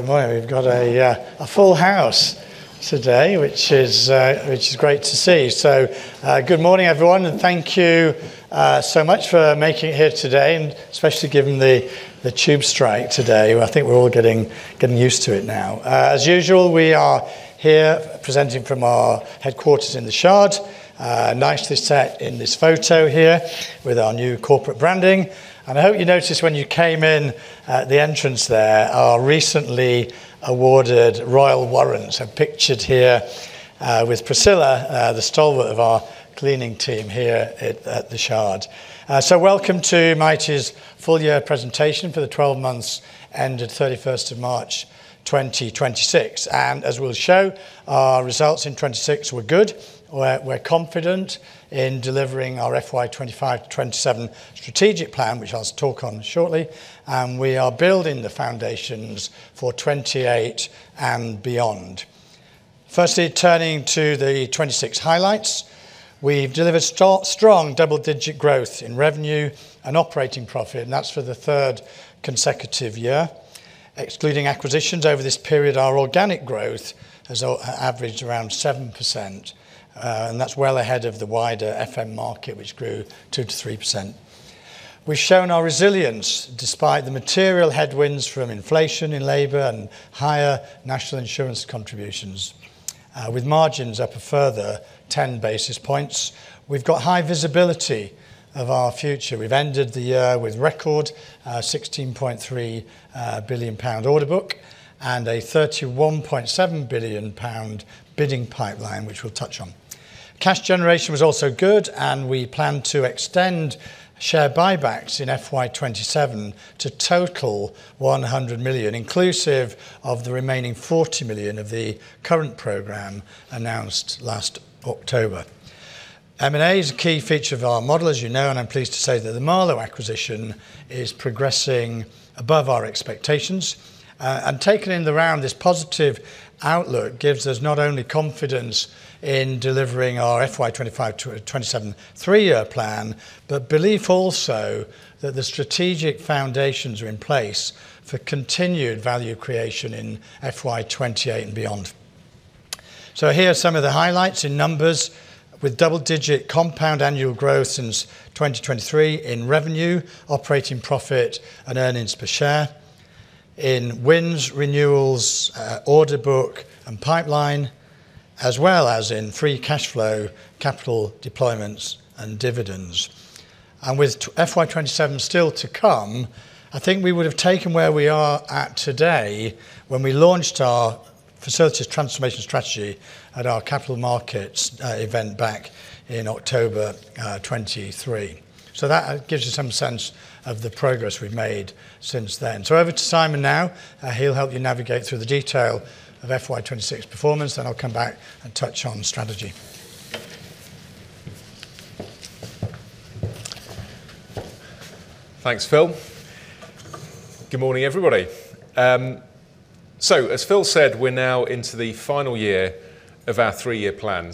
Good morning. We've got a full house today, which is great to see. Good morning everyone, and thank you so much for making it here today, and especially given the tube strike today. I think we're all getting used to it now. As usual, we are here presenting from our headquarters in The Shard, nicely set in this photo here with our new corporate branding. I hope you noticed when you came in at the entrance there, our recently awarded royal warrants. I'm pictured here with Priscilla, the stalwart of our cleaning team here at The Shard. Welcome to Mitie's full year presentation for the 12 months ended March 31st 2026. As we'll show, our results in 2026 were good. We're confident in delivering our FY 2025, 2027 strategic plan, which I'll talk on shortly. We are building the foundations for 2028 and beyond. Firstly, turning to the 2026 highlights. We've delivered strong double-digit growth in revenue and operating profit, and that's for the third consecutive year. Excluding acquisitions over this period, our organic growth has averaged around 7%, and that's well ahead of the wider FM market, which grew 2%-3%. We've shown our resilience despite the material headwinds from inflation in labor and higher national insurance contributions, with margins up a further 10 basis points. We've got high visibility of our future. We've ended the year with record 16.3 billion pound order book and a 31.7 billion pound bidding pipeline, which we'll touch on. Cash generation was also good, and we plan to extend share buybacks in FY 2027 to total 100 million, inclusive of the remaining 40 million of the current program announced last October. M&A is a key feature of our model, as you know, I am pleased to say that the Marlowe acquisition is progressing above our expectations. Taken in the round, this positive outlook gives us not only confidence in delivering our FY 2025 to 2027 three-year plan, but belief also that the strategic foundations are in place for continued value creation in FY 2028 and beyond. Here are some of the highlights in numbers with double-digit compound annual growth since 2023 in revenue, operating profit, and earnings per share, in wins, renewals, order book, and pipeline, as well as in free cash flow, capital deployments, and dividends. With FY 2027 still to come, I think we would have taken where we are at today when we launched our Facilities Transformation Strategy at our Capital Markets Event back in October 2023. That gives you some sense of the progress we've made since then. Over to Simon now. He'll help you navigate through the detail of FY 2026 performance, I'll come back and touch on strategy. Thanks, Phil. As Phil said, we are now into the final year of our three-year plan.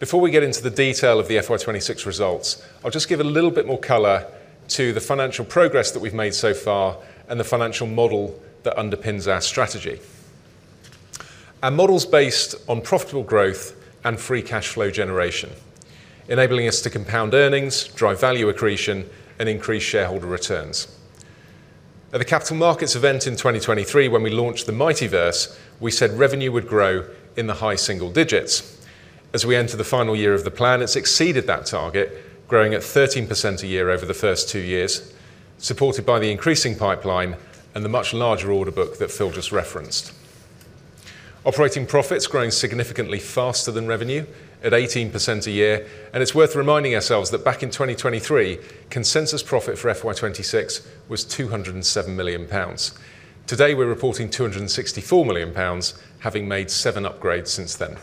Before we get into the detail of the FY 2026 results, I'll just give a little bit more color to the financial progress that we've made so far and the financial model that underpins our strategy. Our model's based on profitable growth and free cash flow generation, enabling us to compound earnings, drive value accretion, and increase shareholder returns. At the Capital Markets event in 2023, when we launched the MITIEverse, we said revenue would grow in the high single digits. As we enter the final year of the plan, it's exceeded that target, growing at 13% a year over the first two years, supported by the increasing pipeline and the much larger order book that Phil just referenced. Operating profit's growing significantly faster than revenue at 18% a year. It's worth reminding ourselves that back in 2023, consensus profit for FY 2026 was 207 million pounds. Today, we're reporting 264 million pounds, having made seven upgrades since then.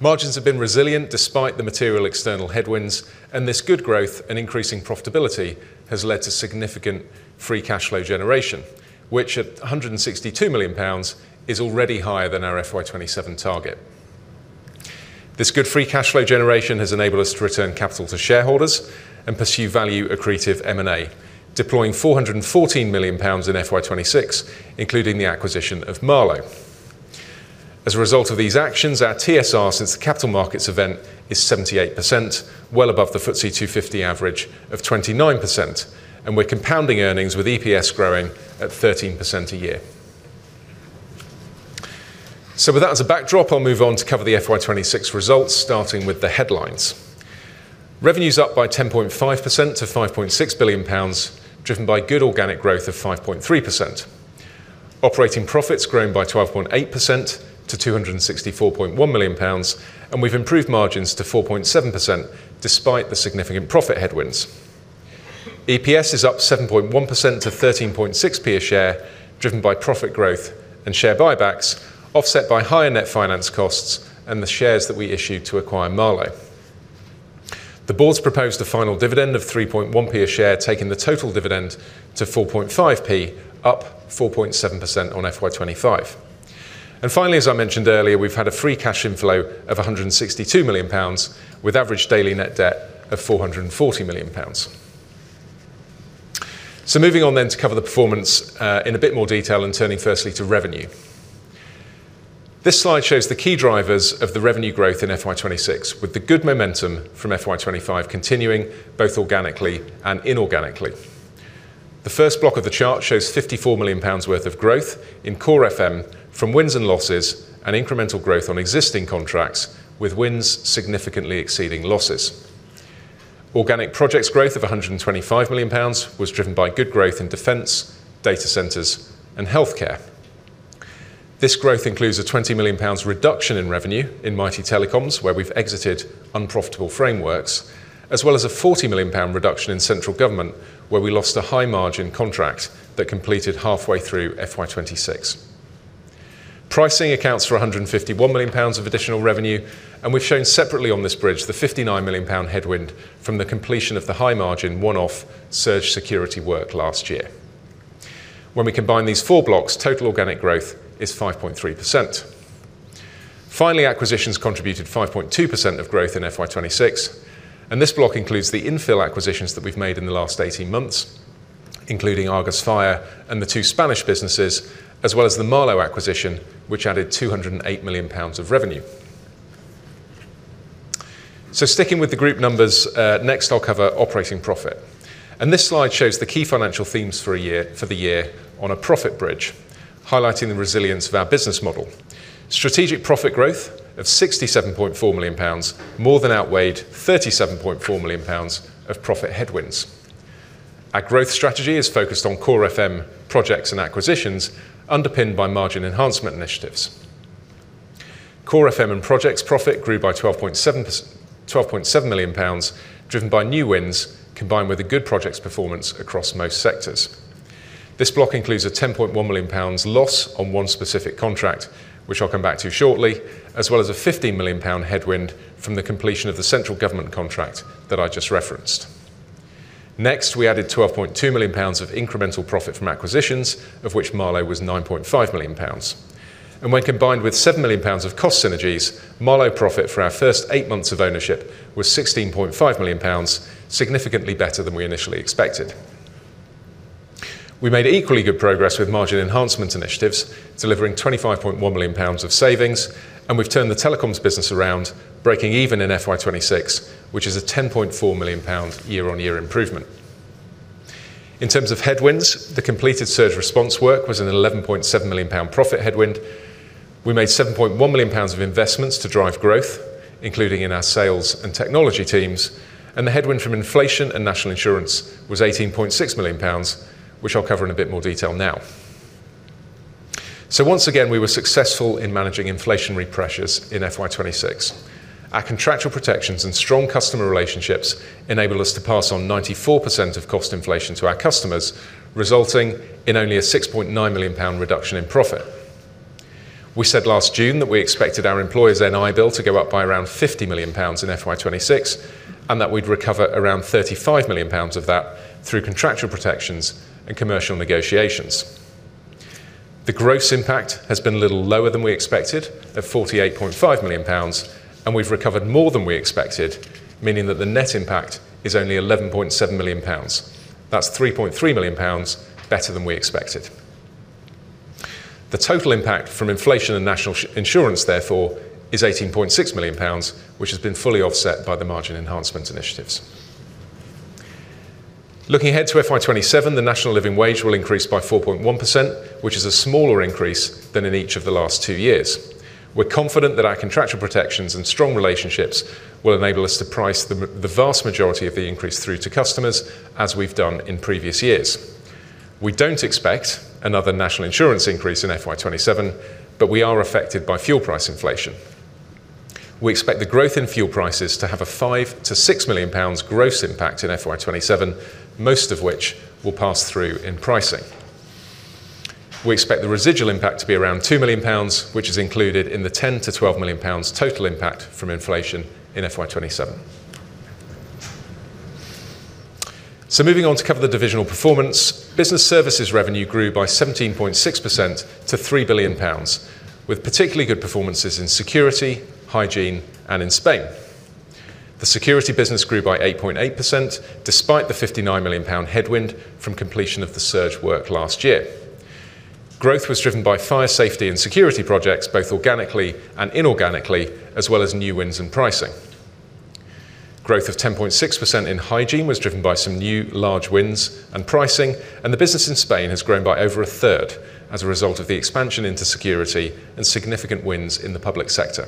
Margins have been resilient despite the material external headwinds. This good growth and increasing profitability has led to significant free cash flow generation, which at 162 million pounds, is already higher than our FY 2027 target. This good free cash flow generation has enabled us to return capital to shareholders and pursue value accretive M&A, deploying 414 million pounds in FY 2026, including the acquisition of Marlowe. As a result of these actions, our TSR since the Capital Markets Event is 78%, well above the FTSE 250 average of 29%. We're compounding earnings with EPS growing at 13% a year. With that as a backdrop, I'll move on to cover the FY 2026 results, starting with the headlines. Revenue's up by 10.5% to 5.6 billion pounds, driven by good organic growth of 5.3%. Operating profit's grown by 12.8% to 264.1 million pounds and we've improved margins to 4.7% despite the significant profit headwinds. EPS is up 7.1% to 0.136 a share, driven by profit growth and share buybacks, offset by higher net finance costs and the shares that we issued to acquire Marlowe. The board's proposed a final dividend of 0.031 a share, taking the total dividend to 0.045, up 4.7% on FY 2025. Finally, as I mentioned earlier, we've had a free cash inflow of 162 million pounds with average daily net debt of 440 million pounds. Moving on then to cover the performance in a bit more detail and turning firstly to revenue. This slide shows the key drivers of the revenue growth in FY 2026, with the good momentum from FY 2025 continuing both organically and inorganically. The first block of the chart shows 54 million pounds worth of growth in core FM from wins and losses and incremental growth on existing contracts, with wins significantly exceeding losses. Organic projects growth of 125 million pounds was driven by good growth in Defence, data centers, and healthcare. This growth includes a 20 million pounds reduction in revenue in Mitie Telecoms, where we've exited unprofitable frameworks, as well as a 40 million pound reduction in central government, where we lost a high-margin contract that completed halfway through FY 2026. Pricing accounts for 151 million pounds of additional revenue. We've shown separately on this bridge the 59 million pound headwind from the completion of the high-margin one-off surge security work last year. When we combine these four blocks, total organic growth is 5.3%. Acquisitions contributed 5.2% of growth in FY 2026. This block includes the infill acquisitions that we've made in the last 18 months, including Arcus Fire and the two Spanish businesses, as well as the Marlowe acquisition, which added 208 million pounds of revenue. Sticking with the group numbers, next I'll cover operating profit. This slide shows the key financial themes for the year on a profit bridge, highlighting the resilience of our business model. Strategic profit growth of 67.4 million pounds more than outweighed 37.4 million pounds of profit headwinds. Our growth strategy is focused on core FM projects and acquisitions underpinned by margin enhancement initiatives. Core FM and projects profit grew by 12.7 million pounds, driven by new wins combined with a good projects performance across most sectors. This block includes a 10.1 million pounds loss on one specific contract, which I'll come back to shortly, as well as a 15 million pound headwind from the completion of the central government contract that I just referenced. Next, we added 12.2 million pounds of incremental profit from acquisitions, of which Marlowe was 9.5 million pounds. When combined with 7 million pounds of cost synergies, Marlowe profit for our first eight months of ownership was 16.5 million pounds, significantly better than we initially expected. We made equally good progress with margin enhancement initiatives, delivering 25.1 million pounds of savings, and we've turned the telecoms business around, breaking even in FY 2026, which is a 10.4 million pound year-on-year improvement. In terms of headwinds, the completed surge response work was an 11.7 million pound profit headwind. We made 7.1 million pounds of investments to drive growth, including in our sales and technology teams, and the headwind from inflation and National Insurance was 18.6 million pounds, which I'll cover in a bit more detail now. Once again, we were successful in managing inflationary pressures in FY 2026. Our contractual protections and strong customer relationships enabled us to pass on 94% of cost inflation to our customers, resulting in only a 6.9 million pound reduction in profit. We said last June that we expected our employer's NI bill to go up by around 50 million pounds in FY 2026, and that we'd recover around 35 million pounds of that through contractual protections and commercial negotiations. The gross impact has been a little lower than we expected at 48.5 million pounds, and we've recovered more than we expected, meaning that the net impact is only 11.7 million pounds. That's 3.3 million pounds better than we expected. The total impact from inflation and national insurance, therefore, is 18.6 million pounds, which has been fully offset by the margin enhancement initiatives. Looking ahead to FY 2027, the national living wage will increase by 4.1%, which is a smaller increase than in each of the last two years. We're confident that our contractual protections and strong relationships will enable us to price the vast majority of the increase through to customers as we've done in previous years. We don't expect another national insurance increase in FY 2027. We are affected by fuel price inflation. We expect the growth in fuel prices to have a 5 million-6 million pounds gross impact in FY 2027, most of which will pass through in pricing. We expect the residual impact to be around 2 million pounds, which is included in the 10 million-12 million pounds total impact from inflation in FY 2027. Moving on to cover the divisional performance. Business Services revenue grew by 17.6% to 3 billion pounds, with particularly good performances in security, hygiene, and in Spain. The security business grew by 8.8%, despite the 59 million pound headwind from completion of the surge work last year. Growth was driven by fire safety and security projects, both organically and inorganically, as well as new wins in pricing. Growth of 10.6% in hygiene was driven by some new large wins and pricing. The business in Spain has grown by over a third as a result of the expansion into security and significant wins in the public sector.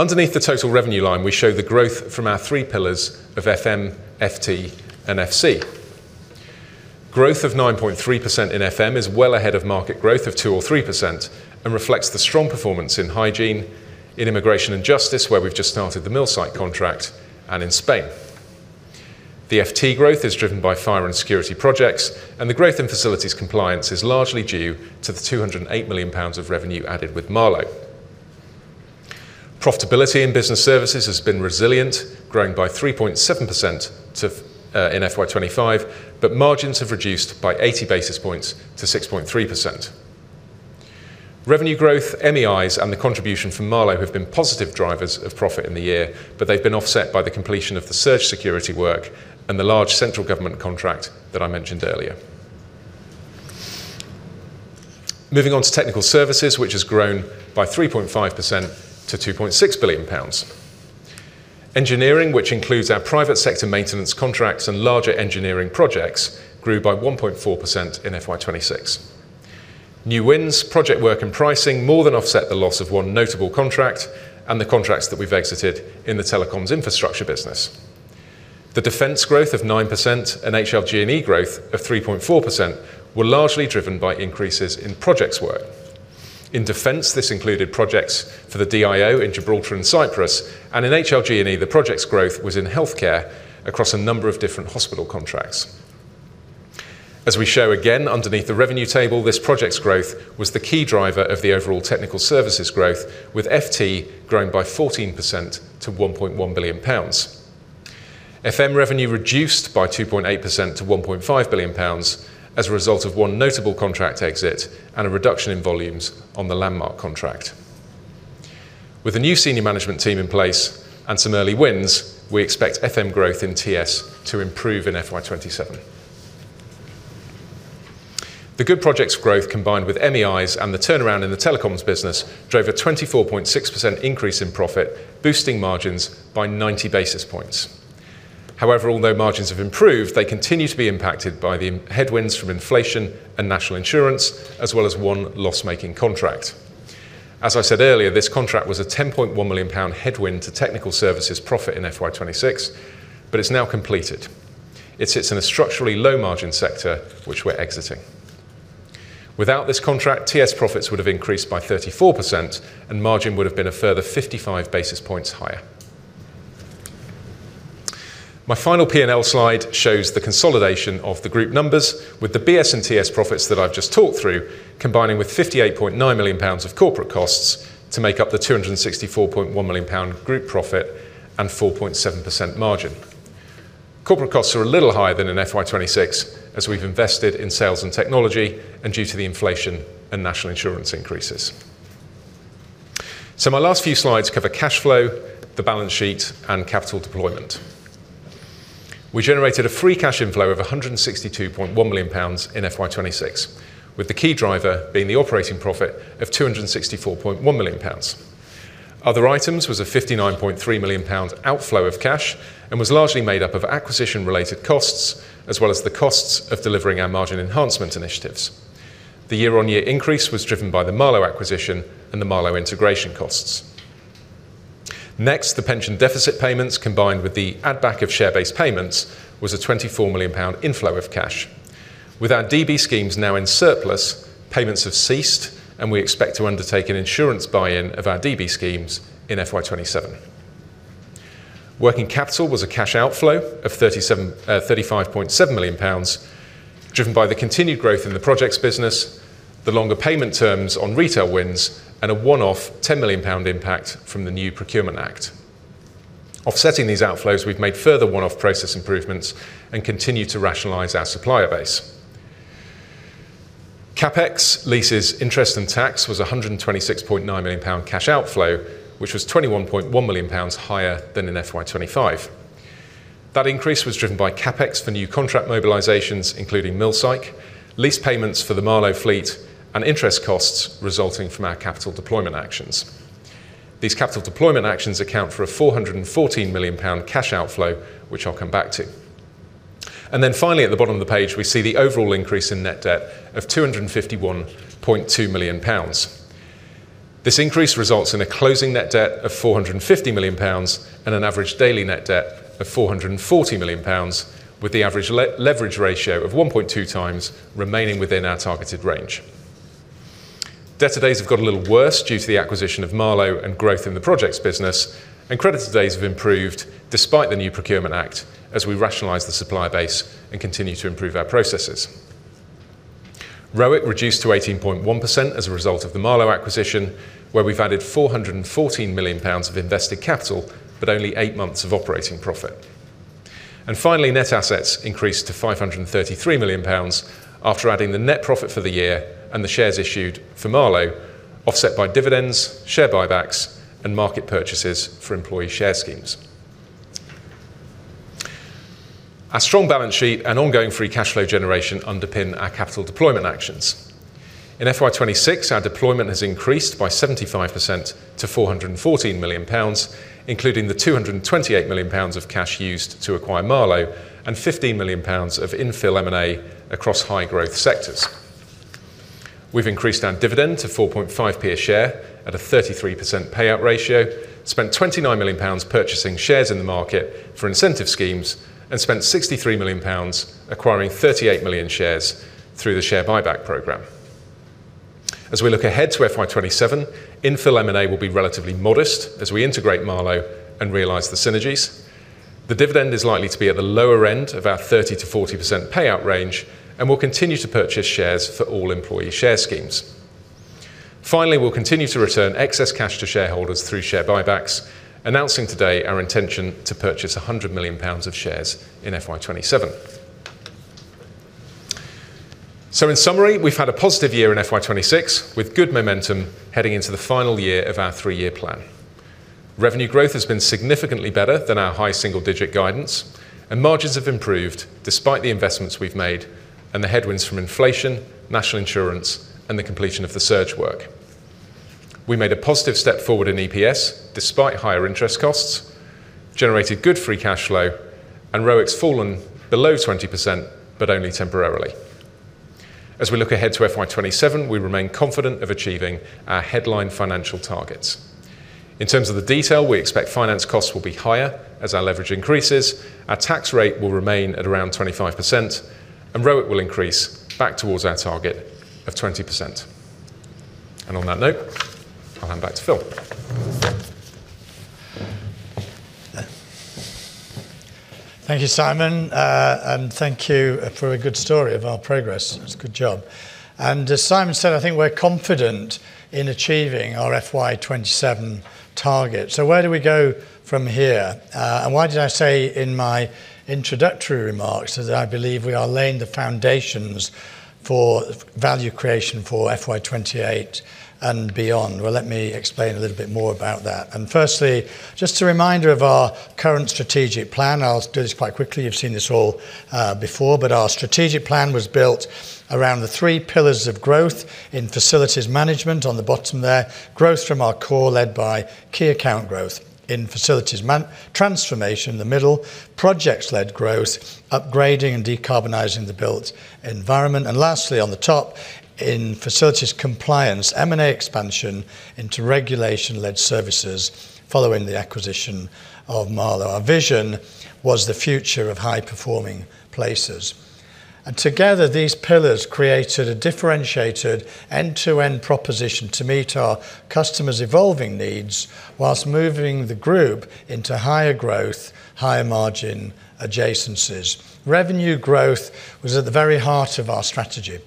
Underneath the total revenue line, we show the growth from our three pillars of FM, FT, and FC. Growth of 9.3% in FM is well ahead of market growth of 2% or 3% and reflects the strong performance in hygiene, in immigration and justice, where we've just started the HMP Millsike contract, and in Spain. The FT growth is driven by fire and security projects, and the growth in facilities compliance is largely due to the 208 million pounds of revenue added with Marlowe. Profitability in business services has been resilient, growing by 3.7% in FY 2025, but margins have reduced by 80 basis points to 6.3%. Revenue growth, MEIs and the contribution from Marlowe have been positive drivers of profit in the year, but they've been offset by the completion of the surge security work and the large central government contract that I mentioned earlier. Moving on to technical services, which has grown by 3.5% to 2.6 billion pounds. Engineering, which includes our private sector maintenance contracts and larger engineering projects, grew by 1.4% in FY 2026. New wins, project work and pricing more than offset the loss of one notable contract and the contracts that we've exited in the telecoms infrastructure business. The Defense growth of 9% and HLG&E growth of 3.4% were largely driven by increases in projects work. In Defense, this included projects for the DIO in Gibraltar and Cyprus, and in HLG&E, the project's growth was in healthcare across a number of different hospital contracts. As we show again, underneath the revenue table, this project's growth was the key driver of the overall technical services growth, with FT growing by 14% to 1.1 billion pounds. FM revenue reduced by 2.8% to 1.5 billion pounds as a result of one notable contract exit and a reduction in volumes on the Landmarc contract. With a new senior management team in place and some early wins, we expect FM growth in TS to improve in FY 2027. The good projects growth, combined with MEIs and the turnaround in the telecoms business, drove a 24.6% increase in profit, boosting margins by 90 basis points. Although margins have improved, they continue to be impacted by the headwinds from inflation and National Insurance, as well as one loss-making contract. As I said earlier, this contract was a 10.1 million pound headwind to technical services profit in FY 2026, but it's now completed. It sits in a structurally low margin sector, which we're exiting. Without this contract, TS profits would have increased by 34% and margin would have been a further 55 basis points higher. My final P&L slide shows the consolidation of the group numbers with the BS&TS profits that I've just talked through, combining with 58.9 million pounds of corporate costs to make up the 264.1 million pound group profit and 4.7% margin. Corporate costs are a little higher than in FY 2026, as we've invested in sales and technology and due to the inflation and National Insurance increases. My last few slides cover cash flow, the balance sheet, and capital deployment. We generated a free cash inflow of 162.1 million pounds in FY 2026, with the key driver being the operating profit of 264.1 million pounds. Other items was a 59.3 million pounds outflow of cash and was largely made up of acquisition-related costs, as well as the costs of delivering our margin enhancement initiatives. The year-over-year increase was driven by the Marlowe acquisition and the Marlowe integration costs. The pension deficit payments, combined with the add-back of share-based payments, was a GBP 24 million inflow of cash. With our DB schemes now in surplus, payments have ceased. We expect to undertake an insurance buy-in of our DB schemes in FY 2027. Working capital was a cash outflow of 35.7 million pounds, driven by the continued growth in the projects business, the longer payment terms on retail wins, a one-off 10 million pound impact from the new Procurement Act. Offsetting these outflows, we've made further one-off process improvements and continue to rationalize our supplier base. CapEx, leases, interest and tax was a 126.9 million pound cash outflow, which was 21.1 million pounds higher than in FY 2025. That increase was driven by CapEx for new contract mobilizations, including Millsike, lease payments for the Marlowe fleet, and interest costs resulting from our capital deployment actions. These capital deployment actions account for a 414 million pound cash outflow, which I'll come back to. Finally, at the bottom of the page, we see the overall increase in net debt of 251.2 million pounds. This increase results in a closing net debt of 450 million pounds and an average daily net debt of 440 million pounds, with the average leverage ratio of 1.2x remaining within our targeted range. Debtor days have got a little worse due to the acquisition of Marlowe and growth in the projects business. Creditor days have improved despite the new Procurement Act as we rationalize the supply base and continue to improve our processes. ROIC reduced to 18.1% as a result of the Marlowe acquisition, where we've added 414 million pounds of invested capital but only eight months of operating profit. Finally, net assets increased to 533 million pounds after adding the net profit for the year and the shares issued for Marlowe, offset by dividends, share buybacks, and market purchases for employee share schemes. Our strong balance sheet and ongoing free cash flow generation underpin our capital deployment actions. In FY 2026, our deployment has increased by 75% to 414 million pounds, including the 228 million pounds of cash used to acquire Marlowe and 15 million pounds of infill M&A across high-growth sectors. We've increased our dividend to 0.045 a share at a 33% payout ratio, spent 29 million pounds purchasing shares in the market for incentive schemes, and spent 63 million pounds acquiring 38 million shares through the share buyback program. As we look ahead to FY 2027, infill M&A will be relatively modest as we integrate Marlowe and realize the synergies. The dividend is likely to be at the lower end of our 30%-40% payout range, and we'll continue to purchase shares for all employee share schemes. Finally, we'll continue to return excess cash to shareholders through share buybacks, announcing today our intention to purchase 100 million pounds of shares in FY 2027. In summary, we've had a positive year in FY 2026 with good momentum heading into the final year of our three-year plan. Revenue growth has been significantly better than our high single-digit guidance, and margins have improved despite the investments we've made and the headwinds from inflation, national insurance, and the completion of the surge work. We made a positive step forward in EPS despite higher interest costs, generated good free cash flow, and ROIC's fallen below 20%, but only temporarily. As we look ahead to FY 2027, we remain confident of achieving our headline financial targets. In terms of the detail, we expect finance costs will be higher as our leverage increases, our tax rate will remain at around 25%, and ROIC will increase back towards our target of 20%. On that note, I'll hand back to Phil. Thank you, Simon. Thank you for a good story of our progress. It's a good job. As Simon said, I think we're confident in achieving our FY 2027 target. Where do we go from here? Why did I say in my introductory remarks that I believe we are laying the foundations for value creation for FY 2028 and beyond? Let me explain a little bit more about that. Firstly, just a reminder of our current strategic plan. I'll do this quite quickly. You've seen this all before, but our strategic plan was built around the three pillars of growth in facilities management on the bottom there. Growth from our core led by key account growth in facilities management. Transformation in the middle. Projects-led growth. Upgrading and decarbonizing the built environment. Lastly, on the top in facilities compliance, M&A expansion into regulation-led services following the acquisition of Marlowe. Our vision was the future of high-performing places. Together, these pillars created a differentiated end-to-end proposition to meet our customers' evolving needs whilst moving the group into higher growth, higher margin adjacencies. Revenue growth was at the very heart of our strategy.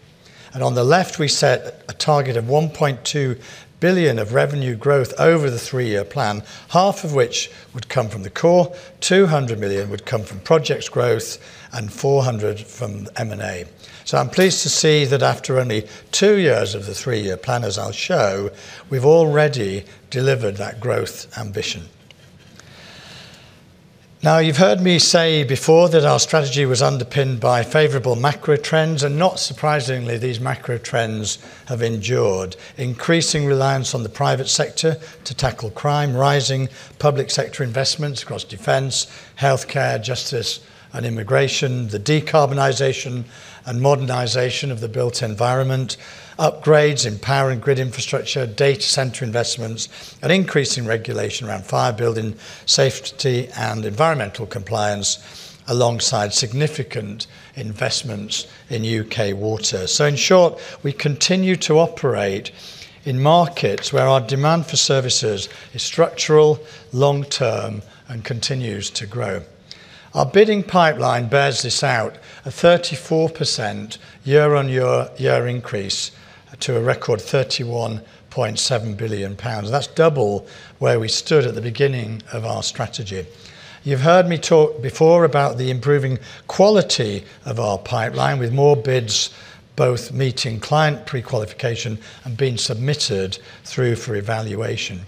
On the left, we set a target of 1.2 billion of revenue growth over the three-year plan, half of which would come from the core, 200 million would come from projects growth, and 400 million from M&A. I'm pleased to see that after only two years of the three-year plan, as I'll show, we've already delivered that growth ambition. Now, you've heard me say before that our strategy was underpinned by favorable macro trends, and not surprisingly, these macro trends have endured. Increasing reliance on the private sector to tackle crime, rising public sector investments across defense, healthcare, justice, and immigration, the decarbonization and modernization of the built environment, upgrades in power and grid infrastructure, data center investments, an increase in regulation around fire building, safety and environmental compliance, alongside significant investments in U.K. water. In short, we continue to operate in markets where our demand for services is structural, long-term, and continues to grow. Our bidding pipeline bears this out. A 34% year-on-year increase to a record 31.7 billion pounds. That's double where we stood at the beginning of our strategy. You've heard me talk before about the improving quality of our pipeline with more bids both meeting client prequalification and being submitted through for evaluation.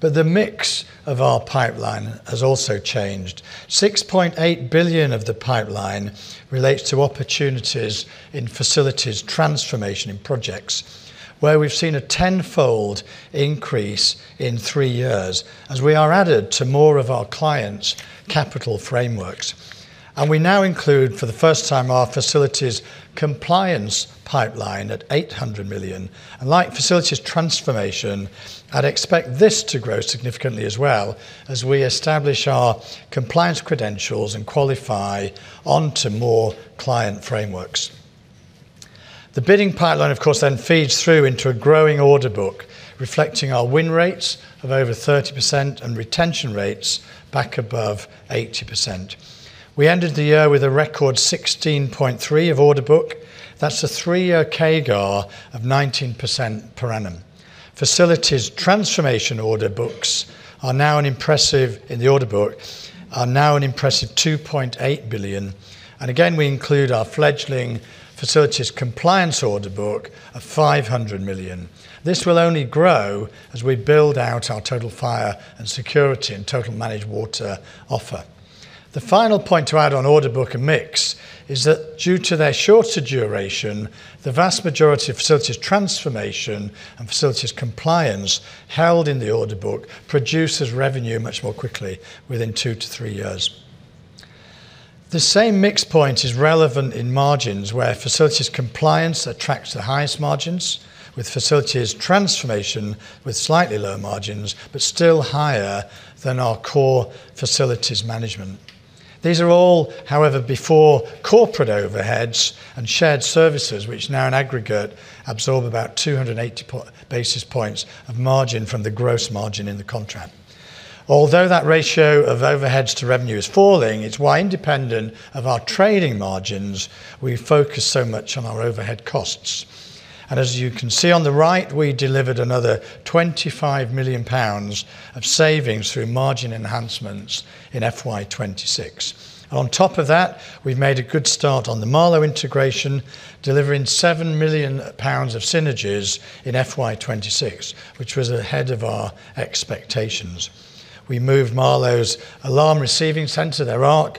The mix of our pipeline has also changed. 6.8 billion of the pipeline relates to opportunities in facilities transformation in projects where we've seen a tenfold increase in three years as we are added to more of our clients' capital frameworks. We now include for the first time our facilities compliance pipeline at 800 million. Like facilities transformation, I'd expect this to grow significantly as well as we establish our compliance credentials and qualify onto more client frameworks. The bidding pipeline, of course, feeds through into a growing order book reflecting our win rates of over 30% and retention rates back above 80%. We ended the year with a record 16.3 billion of order book. That's a three-year CAGR of 19% per annum. Facilities transformation order books are now an impressive 2.8 billion. Again, we include our fledgling facilities compliance order book of 500 million. This will only grow as we build out our total fire and security and total managed water offer. The final point to add on order book and mix is that due to their shorter duration, the vast majority of facilities transformation and facilities compliance held in the order book produces revenue much more quickly within two to three years. The same mix point is relevant in margins where facilities compliance attracts the highest margins with facilities transformation with slightly lower margins, but still higher than our core facilities management. These are all, however, before corporate overheads and shared services, which now in aggregate absorb about 280 basis points of margin from the gross margin in the contract. Although that ratio of overheads to revenue is falling, it's why, independent of our trading margins, we focus so much on our overhead costs. As you can see on the right, we delivered another 25 million pounds of savings through margin enhancements in FY 2026. On top of that, we've made a good start on the Marlowe integration, delivering 7 million pounds of synergies in FY 2026, which was ahead of our expectations. We moved Marlowe's alarm receiving center, their ARC,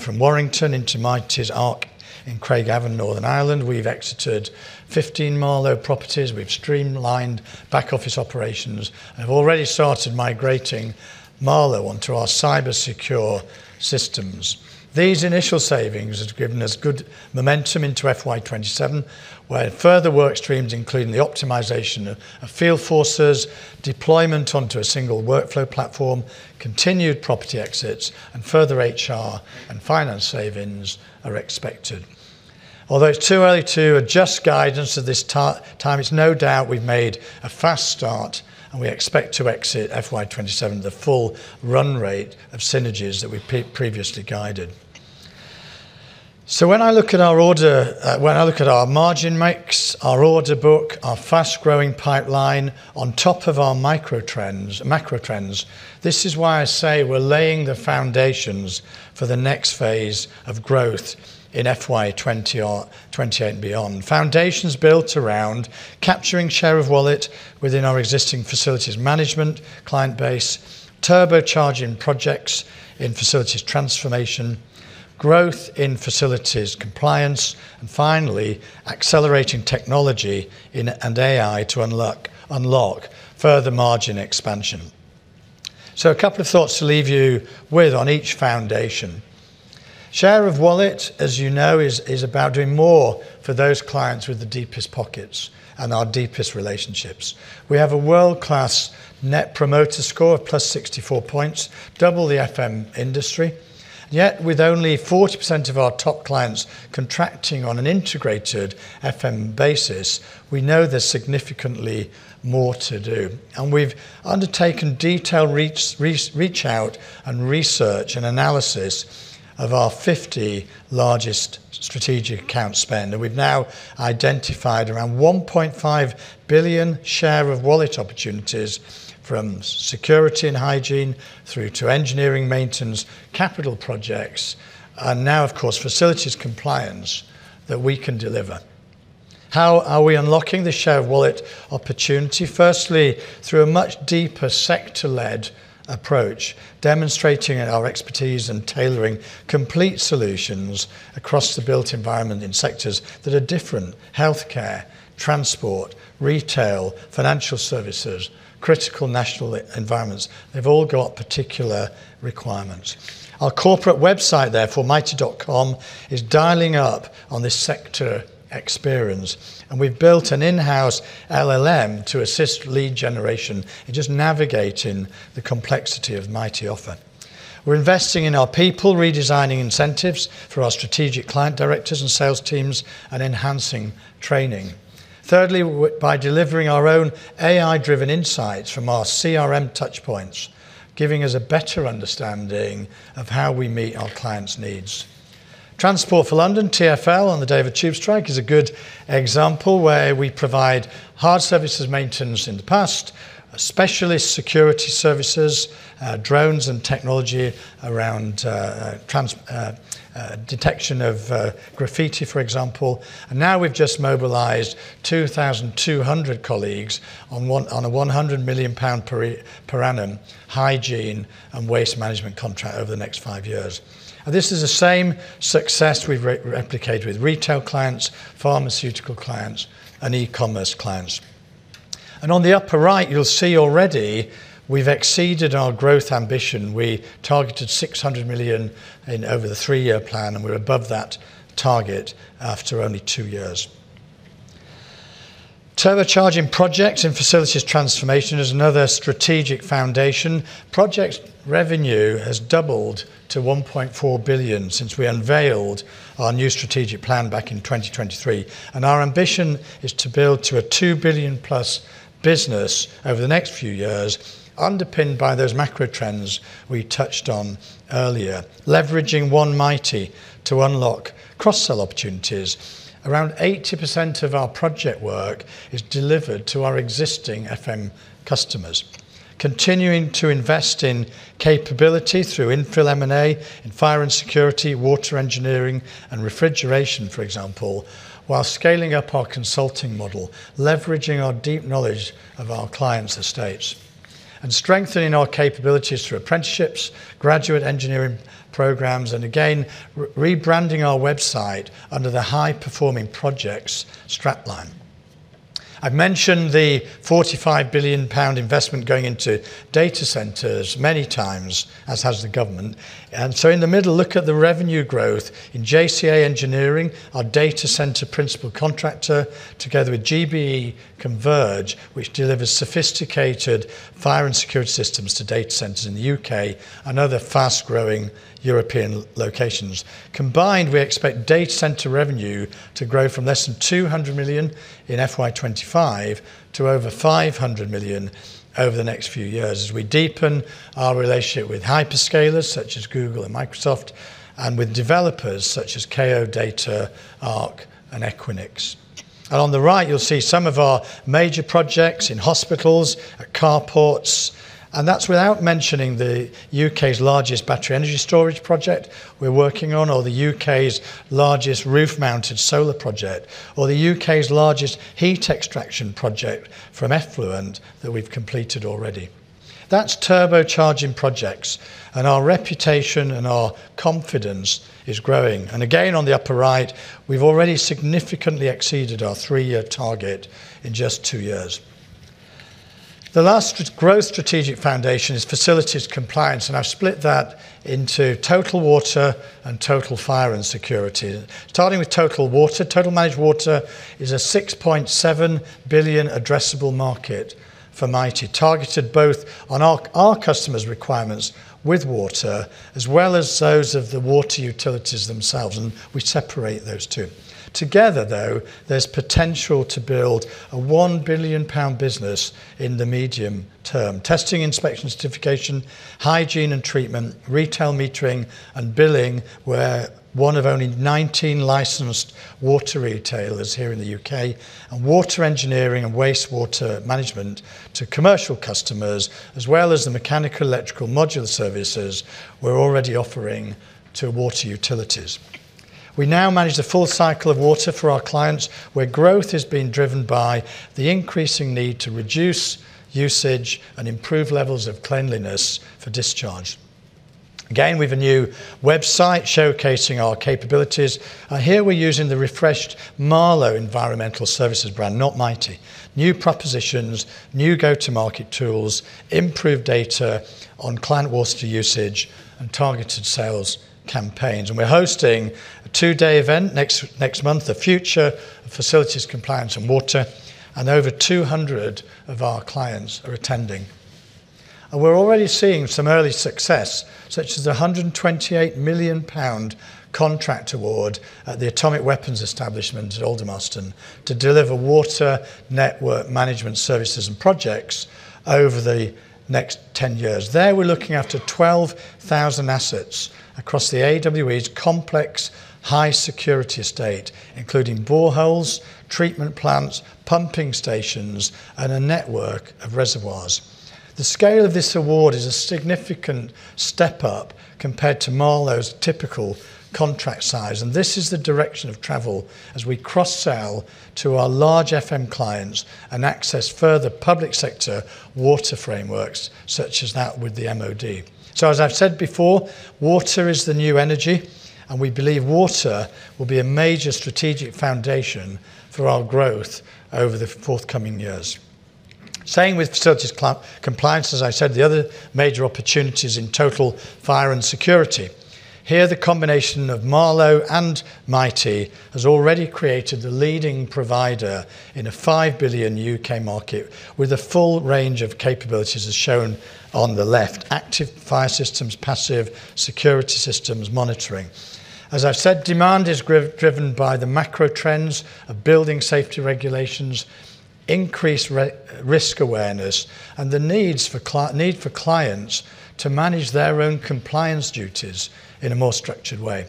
from Warrington into Mitie's ARC in Craigavon, Northern Ireland. We've exited 15 Marlowe properties. We've streamlined back office operations and have already started migrating Marlowe onto our cyber secure systems. These initial savings have given us good momentum into FY 2027, where further work streams including the optimization of field forces, deployment onto a single workflow platform, continued property exits, and further HR and finance savings are expected. Although it's too early to adjust guidance at this time, it's no doubt we've made a fast start, and we expect to exit FY 2027 with the full run rate of synergies that we previously guided. When I look at our margin mix, our order book, our fast-growing pipeline on top of our macro trends, this is why I say we're laying the foundations for the next phase of growth in FY 2028 and beyond. Foundations built around capturing share of wallet within our existing facilities management client base, turbocharging projects in facilities transformation, growth in facilities compliance, and finally accelerating technology and AI to unlock further margin expansion. A couple of thoughts to leave you with on each foundation. Share of wallet, as you know, is about doing more for those clients with the deepest pockets and our deepest relationships. We have a world-class net promoter score of +64 points, double the FM industry. Yet with only 40% of our top clients contracting on an integrated FM basis, we know there's significantly more to do. We've undertaken detailed reach out and research and analysis of our 50 largest strategic account spend. We've now identified around 1.5 billion share of wallet opportunities from security and hygiene through to engineering maintenance, capital projects, and now, of course, facilities compliance that we can deliver. How are we unlocking the share of wallet opportunity? Firstly, through a much deeper sector-led approach, demonstrating our expertise and tailoring complete solutions across the built environment in sectors that are different. Healthcare, transport, retail, financial services, critical national environments. They've all got particular requirements. Our corporate website, therefore, mitie.com is dialing up on this sector experience, and we've built an in-house LLM to assist lead generation in just navigating the complexity of Mitie offer. We're investing in our people, redesigning incentives for our strategic client directors and sales teams, and enhancing training. Thirdly, by delivering our own AI-driven insights from our CRM touch points, giving us a better understanding of how we meet our clients' needs. Transport for London, TfL, on the day of a tube strike is a good example where we provide hard services maintenance in the past, specialist security services, drones and technology around, detection of graffiti, for example. Now we've just mobilized 2,200 colleagues on a 100 million pound per annum hygiene and waste management contract over the next five years. This is the same success we've replicated with retail clients, pharmaceutical clients, and e-commerce clients. On the upper right, you'll see already we've exceeded our growth ambition. We targeted 600 million over the three-year plan. We're above that target after only two years. Turbocharging projects in facilities transformation is another strategic foundation. Project revenue has doubled to 1.4 billion since we unveiled our new strategic plan back in 2023. Our ambition is to build to a 2 billion-plus business over the next few years, underpinned by those macro trends we touched on earlier. Leveraging one Mitie to unlock cross-sell opportunities. Around 80% of our project work is delivered to our existing FM customers. Continuing to invest in capability through infill M&A in fire and security, water engineering and refrigeration, for example. While scaling up our consulting model, leveraging our deep knowledge of our clients' estates. Strengthening our capabilities through apprenticeships, graduate engineering programs, and again, rebranding our website under the high-performing projects strap line. I've mentioned the 45 billion pound investment going into data centers many times, as has the government. In the middle, look at the revenue growth in JCA Engineering, our data center principal contractor, together with GBE Converge, which delivers sophisticated fire and security systems to data centers in the U.K. and other fast-growing European locations. Combined, we expect data center revenue to grow from less than 200 million in FY 2025 to over 500 million over the next few years as we deepen our relationship with hyperscalers such as Google and Microsoft and with developers such as Kao Data, ARC and Equinix. On the right, you'll see some of our major projects in hospitals, at carports, and that's without mentioning the U.K.'s largest battery energy storage project we're working on, or the U.K.'s largest roof-mounted solar project, or the U.K.'s largest heat extraction project from effluent that we've completed already. That's turbocharging projects, and our reputation and our confidence is growing. Again, on the upper right, we've already significantly exceeded our three-year target in just two years. The last growth strategic foundation is facilities compliance. I've split that into total water and total fire and security. Starting with total water, total managed water is a 6.7 billion addressable market for Mitie, targeted both on our customers' requirements with water, as well as those of the water utilities themselves. We separate those two. Together, though, there's potential to build a 1 billion pound business in the medium term. Testing, inspection, certification, hygiene and treatment, retail metering and billing, we're one of only 19 licensed water retailers here in the U.K., and water engineering and wastewater management to commercial customers, as well as the mechanical electrical modular services we're already offering to water utilities. We now manage the full cycle of water for our clients, where growth is being driven by the increasing need to reduce usage and improve levels of cleanliness for discharge. Again, we've a new website showcasing our capabilities. Here we're using the refreshed Marlowe Environmental Services brand, not Mitie. New propositions, new go-to-market tools, improved data on client water usage and targeted sales campaigns. We're hosting a two-day event next month, The Future of Facilities, Compliance and Water, and over 200 of our clients are attending. We're already seeing some early success, such as 128 million pound contract award at the Atomic Weapons Establishment at Aldermaston to deliver water network management services and projects over the next 10 years. There, we're looking after 12,000 assets across the AWE's complex high security estate, including boreholes, treatment plants, pumping stations, and a network of reservoirs. The scale of this award is a significant step up compared to Marlowe's typical contract size, and this is the direction of travel as we cross-sell to our large FM clients and access further public sector water frameworks such as that with the MOD. As I've said before, water is the new energy, and we believe water will be a major strategic foundation for our growth over the forthcoming years. Same with facilities compliance as I said, the other major opportunity is in total fire and security. Here, the combination of Marlowe and Mitie has already created the leading provider in a 5 billion U.K. market with a full range of capabilities as shown on the left, active fire systems, passive security systems monitoring. As I've said, demand is driven by the macro trends of building safety regulations, increased risk awareness, and the need for clients to manage their own compliance duties in a more structured way.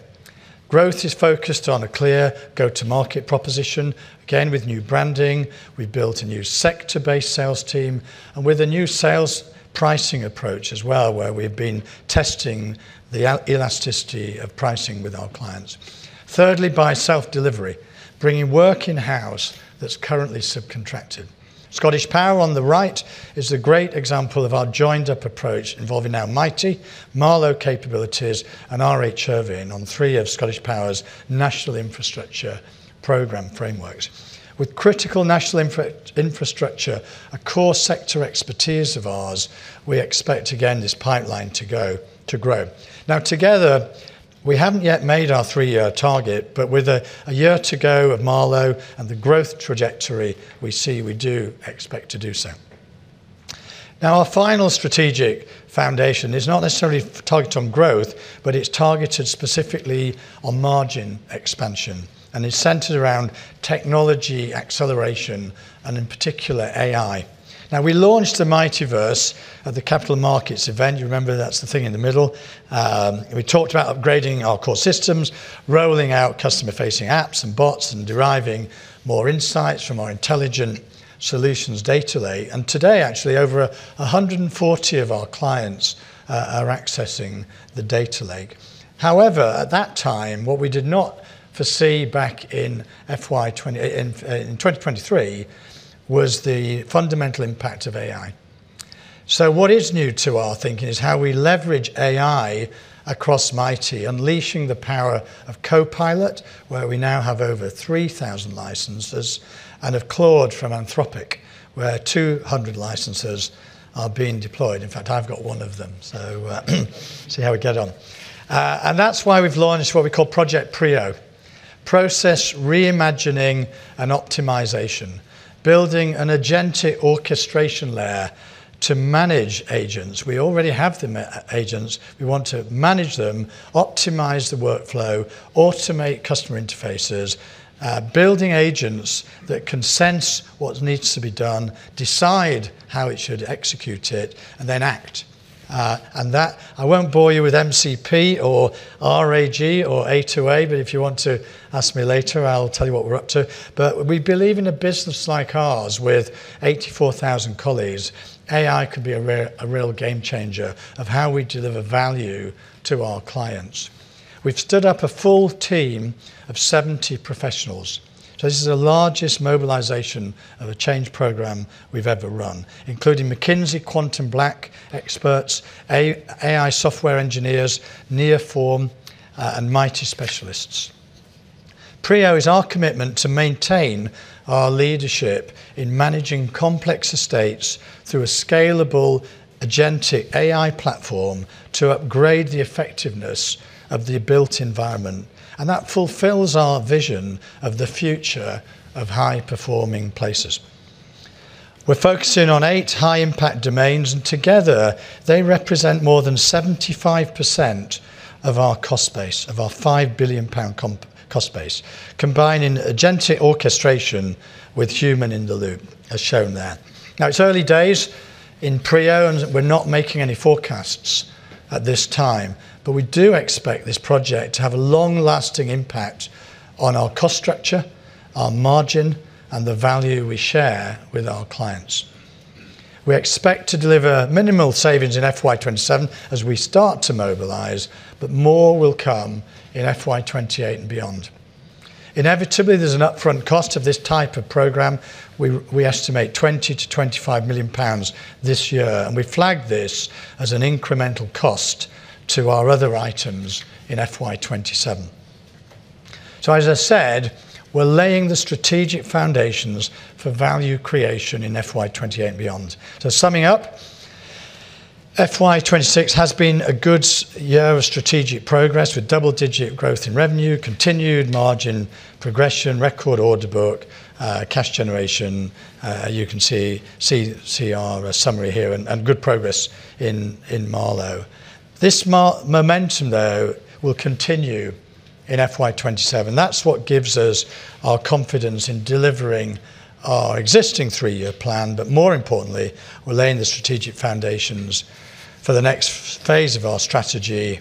Growth is focused on a clear go-to-market proposition. Again, with new branding, we built a new sector-based sales team, with a new sales pricing approach as well, where we've been testing the elasticity of pricing with our clients. Thirdly, by self-delivery, bringing work in-house that's currently subcontracted. ScottishPower on the right is a great example of our joined-up approach involving now Mitie, Marlowe capabilities and RH Irving on three of ScottishPower's national infrastructure program frameworks. With critical national infrastructure, a core sector expertise of ours, we expect, again, this pipeline to grow. Together, we haven't yet made our three-year target, but with a year to go of Marlowe and the growth trajectory we see, we do expect to do so. Our final strategic foundation is not necessarily targeted on growth, but it's targeted specifically on margin expansion and is centered around technology acceleration and in particular AI. We launched the MITIEverse at the Capital Markets Event. You remember, that's the thing in the middle. We talked about upgrading our core systems, rolling out customer-facing apps and bots, and deriving more insights from our intelligent solutions data lake. Today actually, over 140 of our clients are accessing the data lake. However, at that time, what we did not foresee back in 2023 was the fundamental impact of AI. What is new to our thinking is how we leverage AI across Mitie, unleashing the power of Copilot, where we now have over 3,000 licenses and of Claude from Anthropic, where 200 licenses are being deployed. In fact, I've got one of them, see how we get on. That's why we've launched what we call Project Prio, Process reimagining and optimization. Building an agentic orchestration layer to manage agents. We already have the agents. We want to manage them, optimize the workflow, automate customer interfaces. Building agents that can sense what needs to be done, decide how it should execute it, and then act. I won't bore you with MCP or RAG or A2A, but if you want to ask me later, I'll tell you what we're up to. We believe in a business like ours with 84,000 colleagues, AI could be a real game changer of how we deliver value to our clients. We've stood up a full team of 70 professionals. This is the largest mobilization of a change program we've ever run, including McKinsey, QuantumBlack experts, AI software engineers, Nearform, and Mitie specialists. Prio is our commitment to maintain our leadership in managing complex estates through a scalable agentic AI platform to upgrade the effectiveness of the built environment, and that fulfills our vision of the future of high-performing places. We're focusing on eight high-impact domains, and together they represent more than 75% of our cost base, of our 5 billion pound cost base, combining agentic orchestration with human-in-the-loop, as shown there. Now, it's early days in Prio, and we're not making any forecasts at this time, but we do expect this project to have a long-lasting impact on our cost structure, our margin, and the value we share with our clients. We expect to deliver minimal savings in FY 2027 as we start to mobilize, but more will come in FY 2028 and beyond. Inevitably, there's an upfront cost of this type of program. We estimate 20 million-25 million pounds this year. We flagged this as an incremental cost to our other items in FY 2027. As I said, we're laying the strategic foundations for value creation in FY 2028 and beyond. Summing up, FY 2026 has been a good year of strategic progress with double-digit growth in revenue, continued margin progression, record order book, cash generation. You can see our summary here and good progress in Marlowe. This momentum, though, will continue in FY 2027. That's what gives us our confidence in delivering our existing three-year plan. More importantly, we're laying the strategic foundations for the next phase of our strategy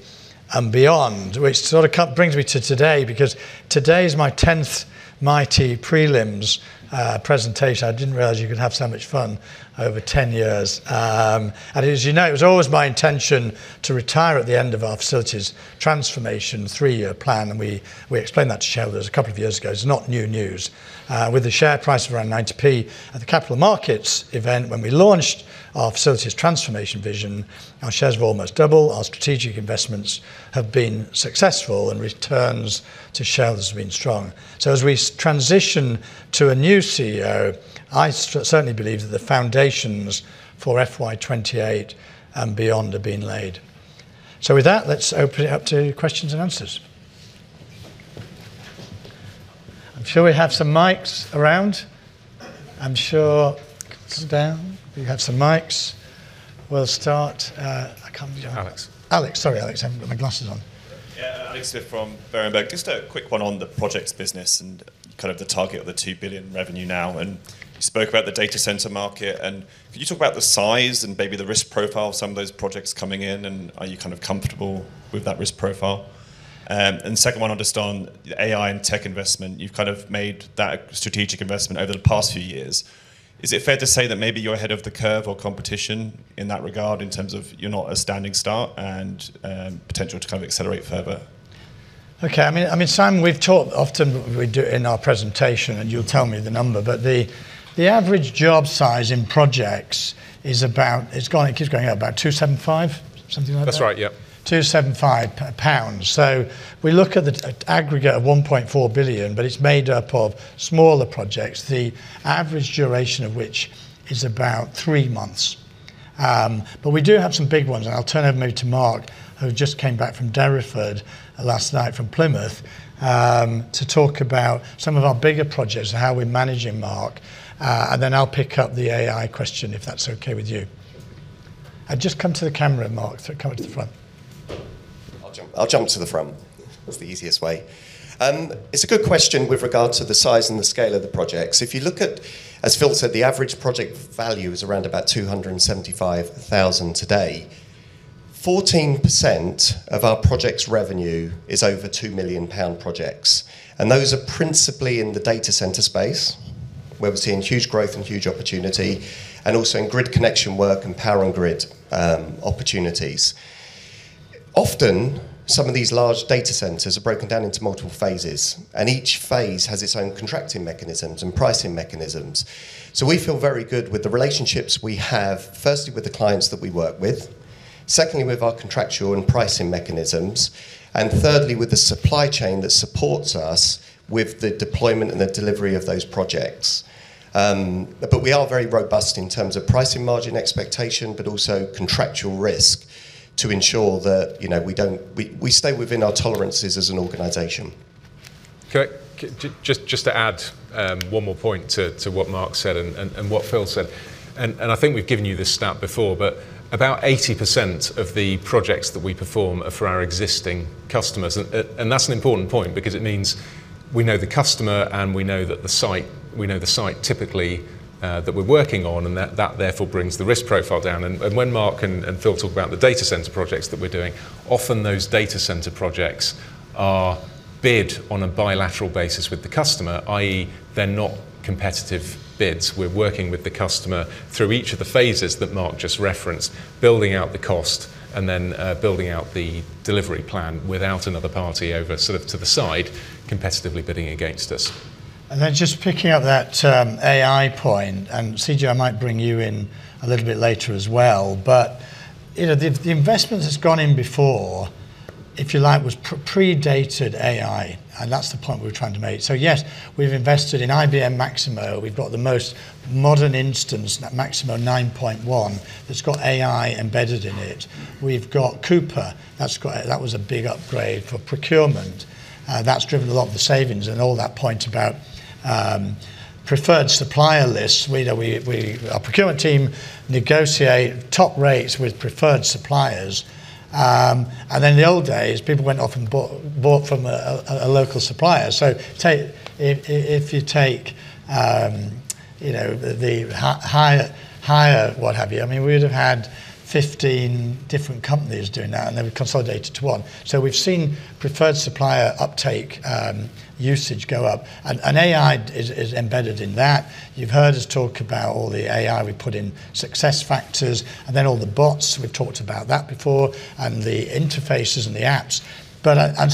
and beyond. Sort of brings me to today, because today is my 10th Mitie prelims presentation. I didn't realize you could have so much fun over 10 years. As you know, it was always my intention to retire at the end of our facilities transformation three-year plan, and we explained that to shareholders a couple of years ago. It's not new news. With the share price of around 0.90 at the Capital Markets Event when we launched our Facilities Transformation Vision, our shares have almost doubled. Our strategic investments have been successful, and returns to shareholders have been strong. As we transition to a new CEO, I certainly believe that the foundations for FY 2028 and beyond have been laid. With that, let's open it up to questions and answers. I'm sure we have some mics around. I'm sure. Sit down. We have some mics. We'll start. Alex. Alex. Sorry, Alex. I haven't got my glasses on. Yeah, Alex Smith from Berenberg. Just a quick one on the projects business and kind of the target of the 2 billion revenue now. You spoke about the data center market, and could you talk about the size and maybe the risk profile of some of those projects coming in, and are you kind of comfortable with that risk profile? Second one, just on AI and tech investment. You've kind of made that strategic investment over the past few years. Is it fair to say that maybe you're ahead of the curve or competition in that regard in terms of you're not a standing start and potential to kind of accelerate further? Okay. I mean, Simon, we've talked often, we do in our presentation, you'll tell me the number, but the average job size in projects, it keeps going up, about 275, something like that? That's right, yep. 275 pounds. We look at the aggregate of 1.4 billion, but it's made up of smaller projects, the average duration of which is about three months. We do have some big ones. I'll turn over maybe to Mark, who just came back from Derriford last night from Plymouth, to talk about some of our bigger projects and how we're managing, Mark, and then I'll pick up the AI question, if that's okay with you. Just come to the camera, Mark, so come to the front. I'll jump to the front. It's the easiest way. It's a good question with regard to the size and the scale of the projects. If you look at, as Phil said, the average project value is around about 275,000 today. 14% of our projects revenue is over 2 million pound projects, and those are principally in the data center space, where we're seeing huge growth and huge opportunity, and also in grid connection work and power on grid opportunities. Often, some of these large data centers are broken down into multiple phases. Each phase has its own contracting mechanisms and pricing mechanisms. We feel very good with the relationships we have, firstly with the clients that we work with, secondly with our contractual and pricing mechanisms, and thirdly with the supply chain that supports us with the deployment and the delivery of those projects. We are very robust in terms of pricing margin expectation, but also contractual risk to ensure that we stay within our tolerances as an organization. Just to add one more point to what Mark said and what Phil said, I think we've given you this stat before, but about 80% of the projects that we perform are for our existing customers. That's an important point because it means we know the customer and we know the site typically that we're working on, and that therefore brings the risk profile down. When Mark and Phil talk about the data center projects that we're doing, often those data center projects are bid on a bilateral basis with the customer, i.e., they're not competitive bids. We're working with the customer through each of the phases that Mark just referenced, building out the cost and then building out the delivery plan without another party over to the side competitively bidding against us. Just picking up that AI point, and CJ, I might bring you in a little bit later as well, but the investment that's gone in before, if you like, predated AI, and that's the point we were trying to make. Yes, we've invested in IBM Maximo. We've got the most modern instance, Maximo 9.1, that's got AI embedded in it. We've got Coupa. That was a big upgrade for procurement. That's driven a lot of the savings and all that point about preferred supplier lists. Our procurement team negotiate top rates with preferred suppliers. In the old days, people went off and bought from a local supplier. If you take the hire what have you, we would have had 15 different companies doing that, and they would consolidate it to one. We've seen preferred supplier uptake usage go up, and AI is embedded in that. You've heard us talk about all the AI we put in SuccessFactors, and then all the bots, we've talked about that before, and the interfaces and the apps.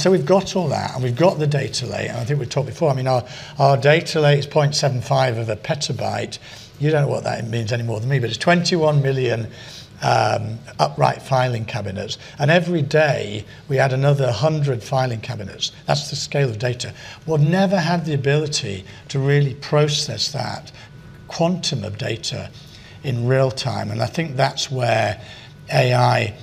We've got all that, and we've got the data lake, and I think we've talked before. Our data lake is 0.75 of a petabyte. You don't know what that means any more than me, but it's 21 million upright filing cabinets, and every day we add another 100 filing cabinets. That's the scale of data. We'll never have the ability to really process that quantum of data in real time, and I think that's where AI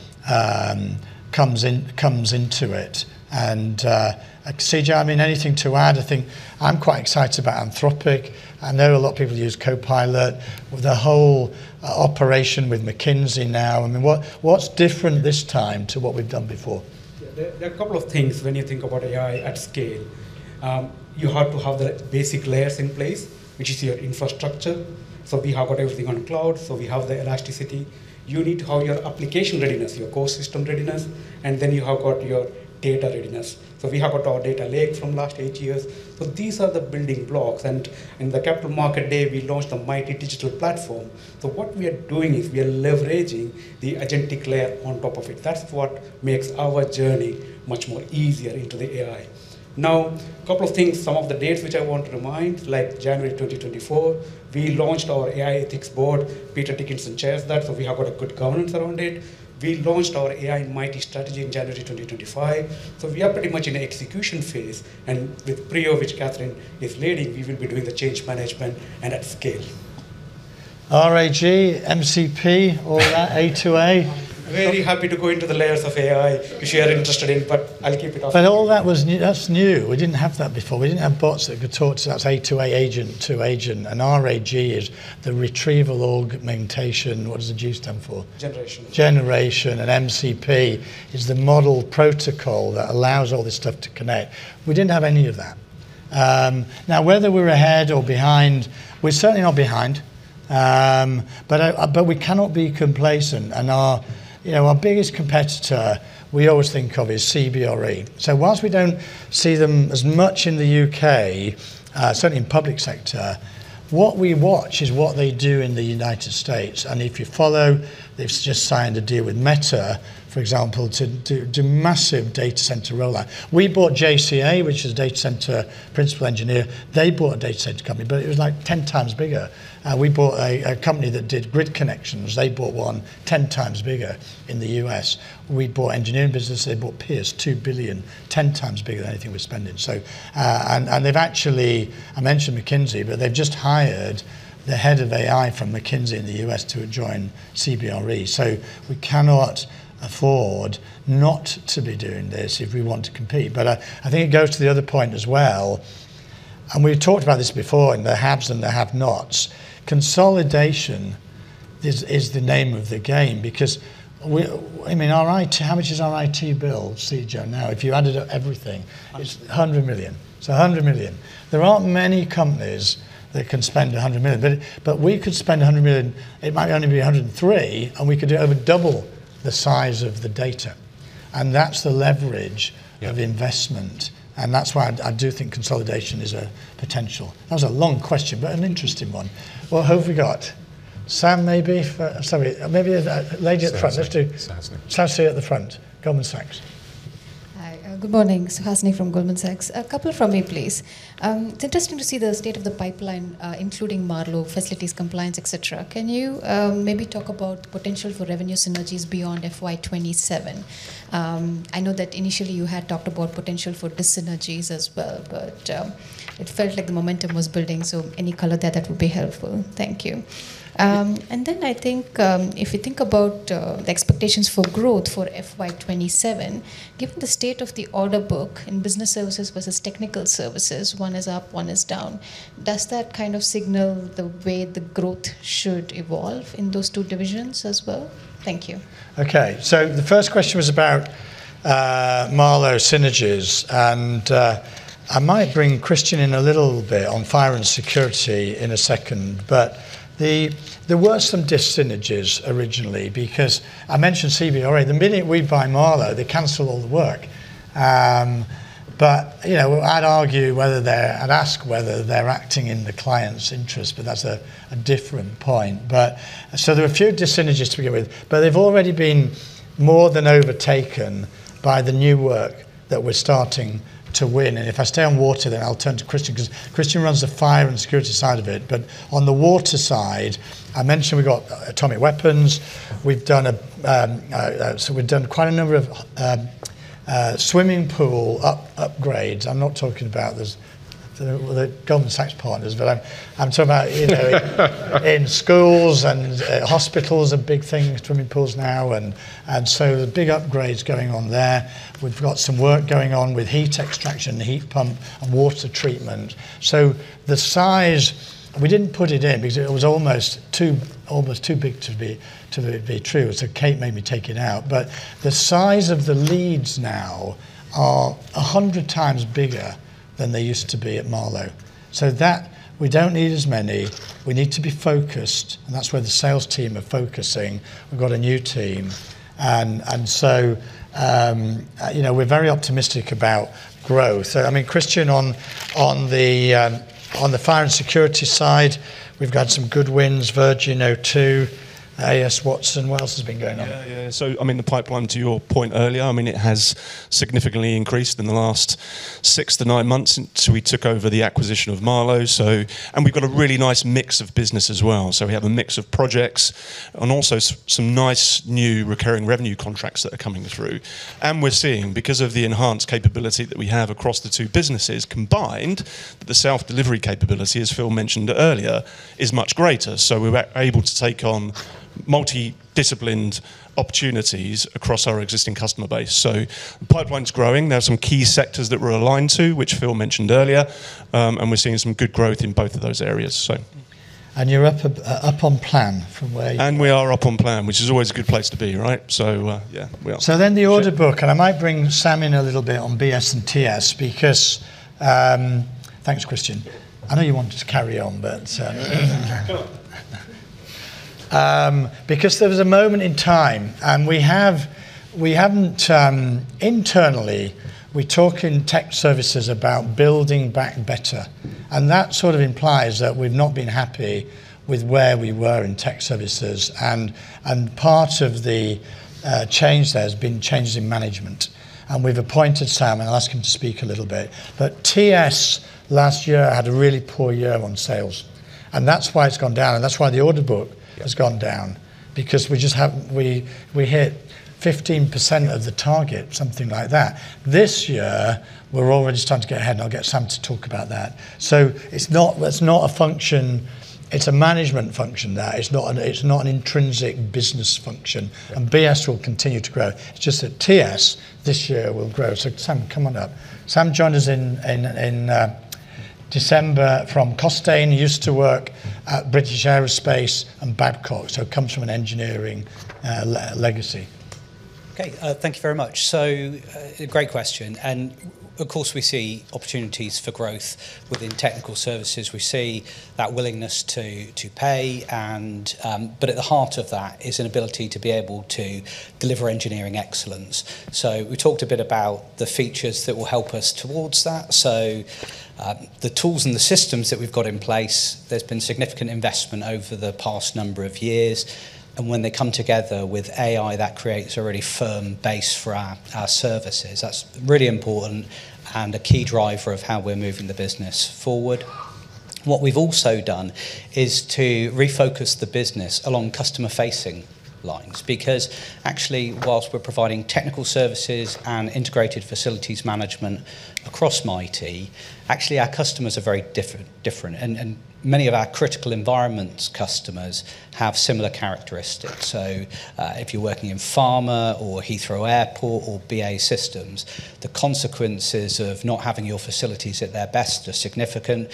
comes into it. CJ, anything to add? I think I'm quite excited about Anthropic. I know a lot of people use Copilot with the whole operation with McKinsey now. What's different this time to what we've done before? There are a couple of things when you think about AI at scale. You have to have the basic layers in place, which is your infrastructure. We have got everything on cloud, so we have the elasticity. You need to have your application readiness, your core system readiness, and then you have got your data readiness. We have got our data lake from last eight years. These are the building blocks. In the Capital Markets event, we launched the Mitie Digital Platform. What we are doing is we are leveraging the agentic layer on top of it. That's what makes our journey much more easier into the AI. Couple of things, some of the dates which I want to remind, like January 2024, we launched our AI Ethics Board. Peter Dickinson chairs that, so we have got a good governance around it. We launched our AI Mitie strategy in January 2025. We are pretty much in execution phase, and with Prio, which Kathryn is leading, we will be doing the change management and at scale. RAG, MCP, all that A2A. Very happy to go into the layers of AI if you are interested in. I'll keep it off. All that's new. We didn't have that before. We didn't have bots that could talk to us, A2A agent to agent. RAG is the retrieval augmentation, what does the G stand for? Generation. Generation. MCP is the Model Protocol that allows all this stuff to connect. We didn't have any of that. Now, whether we're ahead or behind, we're certainly not behind. We cannot be complacent. Our biggest competitor we always think of is CBRE. Whilst we don't see them as much in the U.K., certainly in public sector, what we watch is what they do in the United States. If you follow, they've just signed a deal with Meta, for example, to do massive data center rollout. We bought JCA, which is a data center principal engineer. They bought a data center company, but it was 10x bigger. We bought a company that did grid connections. They bought one 10x bigger in the U.S. We bought engineering business, they bought Pearce, 2 billion, 10x bigger than anything we're spending. I mentioned McKinsey. They've just hired the head of AI from McKinsey in the U.S. to join CBRE. We cannot afford not to be doing this if we want to compete. I think it goes to the other point as well, and we've talked about this before and the haves and the have-nots. Consolidation is the name of the game because how much is our IT bill, CJ, now, if you added up everything? 100 million. 100 million. There aren't many companies that can spend 100 million. We could spend 100 million, it might only be 103, and we could do over double the size of the data. That's the leverage of investment, and that's why I do think consolidation is a potential. That was a long question, but an interesting one. What have we got? Sam, maybe. Sorry, maybe a lady at the front. Aashni. Aashni at the front, Goldman Sachs. Hi, good morning. Aashni from Goldman Sachs. A couple from me, please. It is interesting to see the state of the pipeline, including Marlowe, facilities compliance, et cetera. Can you maybe talk about potential for revenue synergies beyond FY 2027? I know that initially you had talked about potential for dis-synergies as well. It felt like the momentum was building. Any color there, that would be helpful. Thank you. Yeah. I think if you think about the expectations for growth for FY 2027, given the state of the order book in business services versus technical services, one is up, one is down, does that kind of signal the way the growth should evolve in those two divisions as well? Thank you. The first question was about Marlowe synergies, and I might bring Christian in a little bit on fire and security in a second. There were some dis-synergies originally because I mentioned CBRE. The minute we buy Marlowe, they cancel all the work. I'd ask whether they're acting in the client's interest, but that's a different point. There are a few dis-synergies to begin with, but they've already been more than overtaken by the new work that we're starting to win. If I stay on water, I'll turn to Christian because Christian runs the fire and security side of it. On the water side, I mentioned we got Atomic Weapons. We've done quite a number of swimming pool upgrades. I'm not talking about the Goldman Sachs partners, but I'm talking about in schools and hospitals are big things, swimming pools now. There are big upgrades going on there. We've got some work going on with heat extraction, heat pump, and water treatment. The size, we didn't put it in because it was almost too big to be true, Kate made me take it out. The size of the leads now are 100x bigger than they used to be at Marlowe. That we don't need as many. We need to be focused, and that's where the sales team are focusing. We've got a new team. We're very optimistic about growth. Christian, on the fire and security side, we've got some good wins, Virgin Media O2, AES, A.S. Watson Group. What else has been going on? Yeah. The pipeline, to your point earlier, it has significantly increased in the last six to nine months since we took over the acquisition of Marlowe. We've got a really nice mix of business as well. We have a mix of projects and also some nice new recurring revenue contracts that are coming through. We're seeing, because of the enhanced capability that we have across the two businesses combined, that the self-delivery capability, as Phil mentioned earlier, is much greater. We're able to take on multi-disciplined opportunities across our existing customer base. The pipeline's growing. There are some key sectors that we're aligned to, which Phil mentioned earlier, and we're seeing some good growth in both of those areas. You're up on plan from where. We are up on plan, which is always a good place to be, right? Yeah, we are. The order book. I might bring Sam in a little bit on BS and TS because. Thanks, Christian. I know you wanted to carry on, but. No. There was a moment in time, and internally, we talk in tech services about building back better. That sort of implies that we've not been happy with where we were in tech services. Part of the change there has been changes in management. We've appointed Sam, and I'll ask him to speak a little bit. TS last year had a really poor year on sales, and that's why it's gone down, and that's why the order book has gone down, because we hit 15% of the target, something like that. This year, we're already starting to get ahead, and I'll get Sam to talk about that. It's a management function, that. It's not an intrinsic business function. BS will continue to grow. It's just that TS this year will grow. Sam, come on up. Sam joined us in December from Costain. He used to work at British Aerospace and Babcock, so comes from an engineering legacy. Okay. Thank you very much. Great question. Of course, we see opportunities for growth within technical services. We see that willingness to pay, but at the heart of that is an ability to be able to deliver engineering excellence. We talked a bit about the features that will help us towards that. The tools and the systems that we've got in place, there's been significant investment over the past number of years. When they come together with AI, that creates a really firm base for our services. That's really important and a key driver of how we're moving the business forward. What we've also done is to refocus the business along customer-facing lines, because actually, whilst we're providing technical services and integrated facilities management across Mitie, actually our customers are very different. Many of our critical environments customers have similar characteristics. If you're working in pharma or Heathrow Airport or BAE Systems, the consequences of not having your facilities at their best are significant.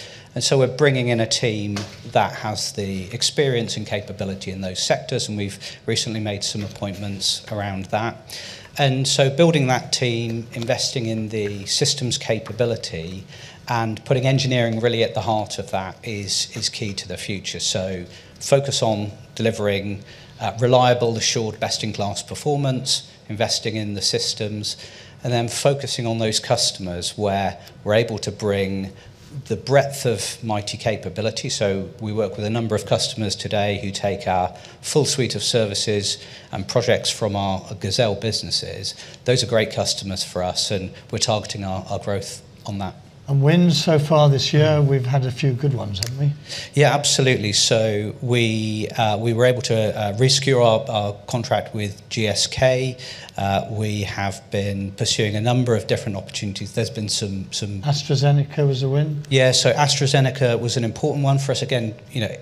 We're bringing in a team that has the experience and capability in those sectors, and we've recently made some appointments around that. Building that team, investing in the systems capability, and putting engineering really at the heart of that is key to the future. Focus on delivering reliable, assured, best-in-class performance, investing in the systems, and then focusing on those customers where we're able to bring the breadth of Mitie capability. We work with a number of customers today who take our full suite of services and projects from our Gazelle businesses. Those are great customers for us, and we're targeting our growth on that. Wins so far this year, we've had a few good ones, haven't we? Yeah, absolutely. We were able to re-secure our contract with GSK. We have been pursuing a number of different opportunities. There's been some. AstraZeneca was a win. AstraZeneca was an important one for us. Again,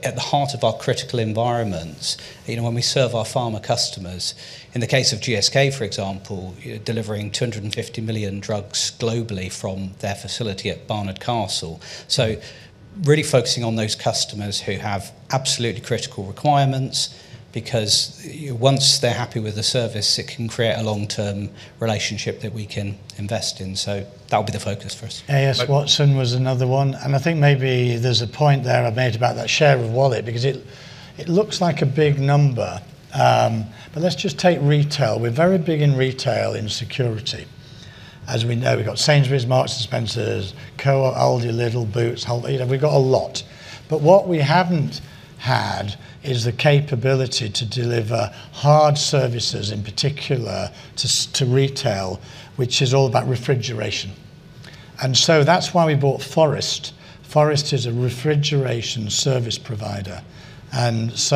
at the heart of our critical environments, when we serve our pharma customers, in the case of GSK, for example, delivering 250 million drugs globally from their facility at Barnard Castle. Really focusing on those customers who have absolutely critical requirements, because once they're happy with the service, it can create a long-term relationship that we can invest in. That'll be the focus for us. A.S. Watson was another one. I think maybe there's a point there I made about that share of wallet, because it looks like a big number. Let's just take retail. We're very big in retail, in security. As we know, we've got Sainsbury's, Marks & Spencer, Co-op, Aldi & Lidl, Boots. We've got a lot. But what we haven't had is the capability to deliver hard services, in particular to retail, which is all about refrigeration. That's why we bought Forest. Forest is a refrigeration service provider. That's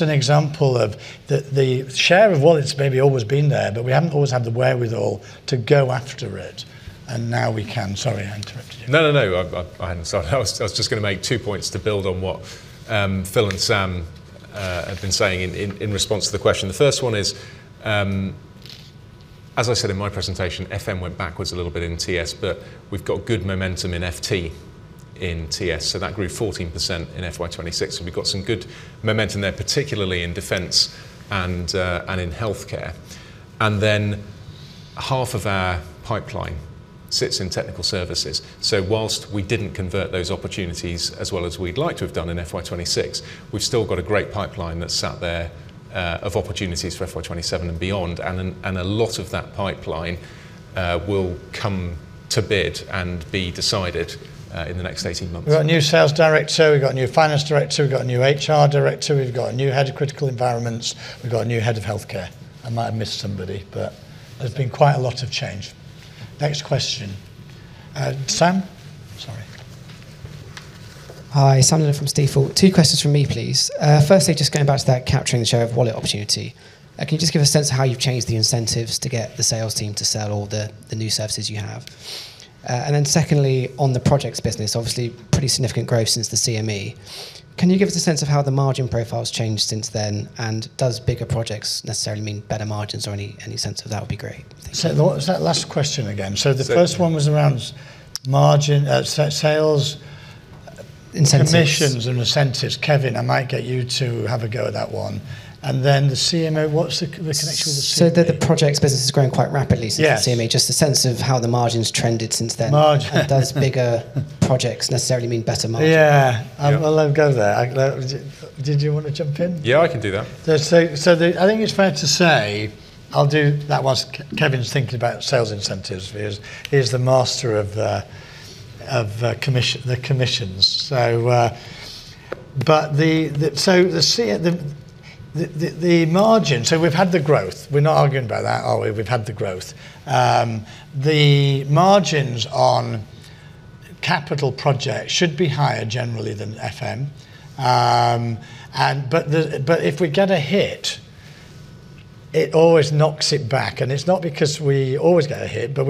an example of the share of wallet's maybe always been there, but we haven't always had the wherewithal to go after it, and now we can. Sorry, I interrupted you. No, I hadn't started. I was just going to make two points to build on what Phil and Sam have been saying in response to the question. The first one is, as I said in my presentation, FM went backwards a little bit in TS. We've got good momentum in FT in TS, that grew 14% in FY 2026. We've got some good momentum there, particularly in defense and in healthcare. Half of our pipeline sits in Technical Services. Whilst we didn't convert those opportunities as well as we'd like to have done in FY 2026, we've still got a great pipeline that sat there of opportunities for FY 2027 and beyond. A lot of that pipeline will come to bid and be decided in the next 18 months. We've got a new sales director, we've got a new finance director, we've got a new HR director, we've got a new head of critical environments, we've got a new head of healthcare. I might have missed somebody, but there's been quite a lot of change. Next question. Sam? Sorry. Hi, Sam Dindol from Stifel. Two questions from me, please. Firstly, just going back to that capturing the share of wallet opportunity. Can you just give a sense of how you've changed the incentives to get the sales team to sell all the new services you have? Then secondly, on the projects business, obviously pretty significant growth since the CME. Can you give us a sense of how the margin profile's changed since then? Does bigger projects necessarily mean better margins or any sense of that would be great. Thank you. What was that last question again? The first one was around margin, sales- Incentives commissions and incentives. in, I might get you to have a go at that one. Then the CMO, what's the connection with the CME? The projects business has grown quite rapidly since the CME. Yes. Just a sense of how the margin's trended since then. Margin. Does bigger projects necessarily mean better margins? Yeah. Yep. I'll let him go there. Did you want to jump in? Yeah, I can do that. I think it's fair to say I'll do that whilst Kevin's thinking about sales incentives. He is the master of the commissions. We've had the growth. We're not arguing about that, are we? We've had the growth. The margins on capital projects should be higher generally than FM. If we get a hit, it always knocks it back, and it's not because we always get a hit, but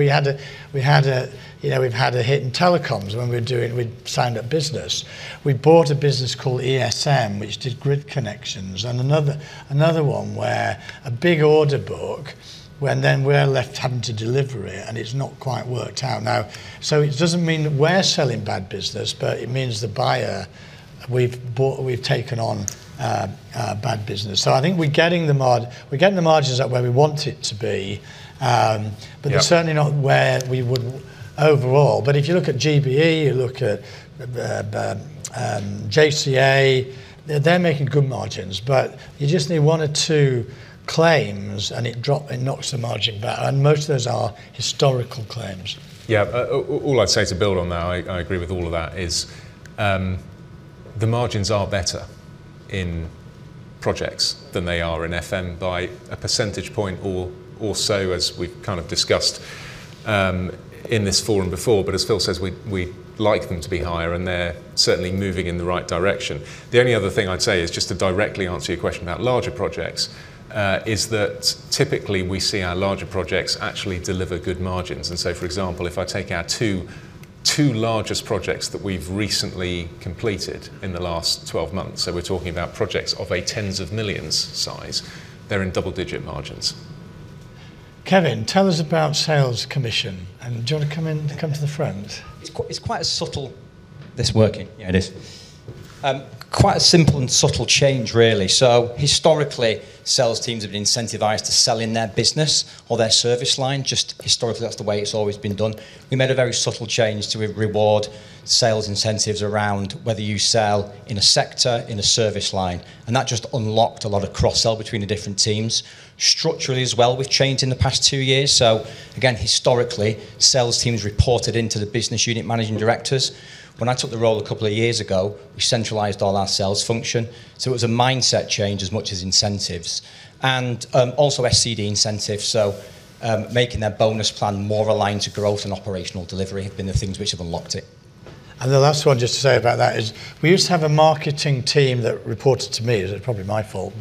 we've had a hit in telecoms when we signed up business. We bought a business called ESM, which did grid connections, and another one where a big order book, when then we're left having to deliver it, and it's not quite worked out. It doesn't mean that we're selling bad business, but it means the buyer, we've taken on bad business. I think we're getting the margins up where we want it to be. Yep Certainly not where we would overall. If you look at GBE, you look at JCA, they're making good margins. You just need one or two claims, and it knocks the margin back, and most of those are historical claims. Yeah. All I'd say to build on that, I agree with all of that, is the margins are better in projects than they are in FM by a percentage point or so, as we've kind of discussed in this forum before. As Phil says, we'd like them to be higher, and they're certainly moving in the right direction. The only other thing I'd say is just to directly answer your question about larger projects is that typically we see our larger projects actually deliver good margins. For example, if I take our two largest projects that we've recently completed in the last 12 months, so we're talking about projects of a tens of millions size, they're in double-digit margins. Kevin, tell us about sales commission. Do you want to come to the front? Is this working? Yeah, it is. Quite a simple and subtle change, really. Historically, sales teams have been incentivized to sell in their business or their service line, just historically, that's the way it's always been done. We made a very subtle change to reward sales incentives around whether you sell in a sector, in a service line, and that just unlocked a lot of cross-sell between the different teams. Structurally as well, we've changed in the past two years. Again, historically, sales teams reported into the business unit managing directors. When I took the role a couple of years ago, we centralized all our sales function. It was a mindset change as much as incentives. Also, SCD incentives, making their bonus plan more aligned to growth and operational delivery have been the things which have unlocked it. The last one just to say about that is we used to have a marketing team that reported to me. It was probably my fault.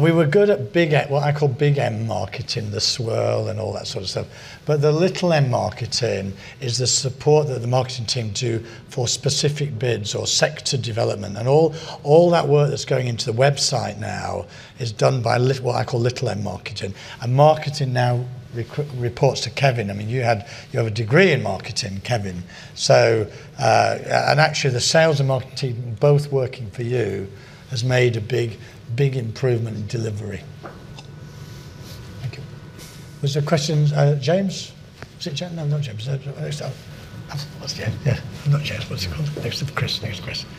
We were good at what I call big M marketing, the swirl and all that sort of stuff. But the little m marketing is the support that the marketing team do for specific bids or sector development. All that work that's going into the website now is done by what I call little m marketing. Marketing now reports to Kevin. You have a degree in marketing, Kevin. Actually, the sales and marketing team both working for you has made a big improvement in delivery. Thank you. Was there questions? James? Was it James? No, not James. Yeah. Not James. What's he called? No, it's Chris. Okay,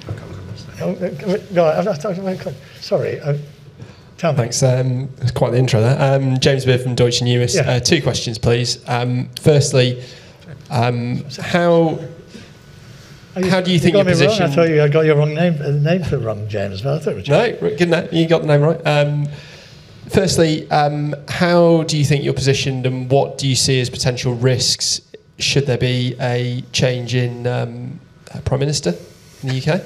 I'm going to stay. No, I'm not talking about you. Sorry. Go on. Thanks. That's quite the intro there. James Beard from Deutsche Numis. Yeah. Two questions, please. Firstly, how do you think you're positioned- You got me wrong. I thought I got your name wrong, James. No, I thought it was James. No, you got the name right. Firstly, how do you think you're positioned, and what do you see as potential risks should there be a change in prime minister in the U.K.?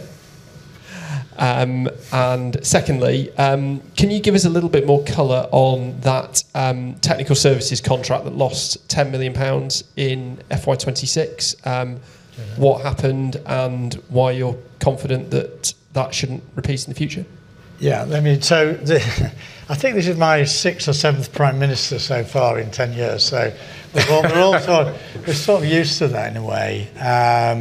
Secondly, can you give us a little bit more color on that Technical Services contract that lost 10 million pounds in FY 2026? Yeah. What happened, and why you're confident that that shouldn't repeat in the future? Yeah. I think this is my sixth or seventh prime minister so far in 10 years. We're sort of used to that in a way. That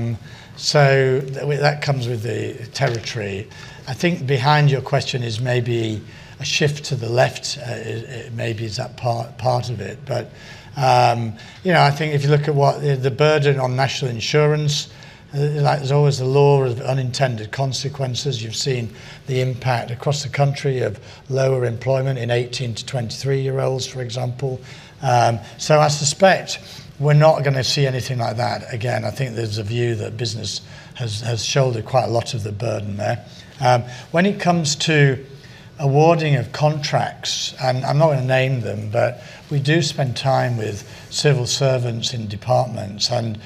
comes with the territory. I think behind your question is maybe a shift to the left, maybe is that part of it. I think if you look at what the burden on national insurance, there's always the law of unintended consequences. You've seen the impact across the country of lower employment in 18 to 23-year-olds, for example. I suspect we're not going to see anything like that again. I think there's a view that business has shouldered quite a lot of the burden there. When it comes to awarding of contracts, and I'm not going to name them, but we do spend time with civil servants in departments. The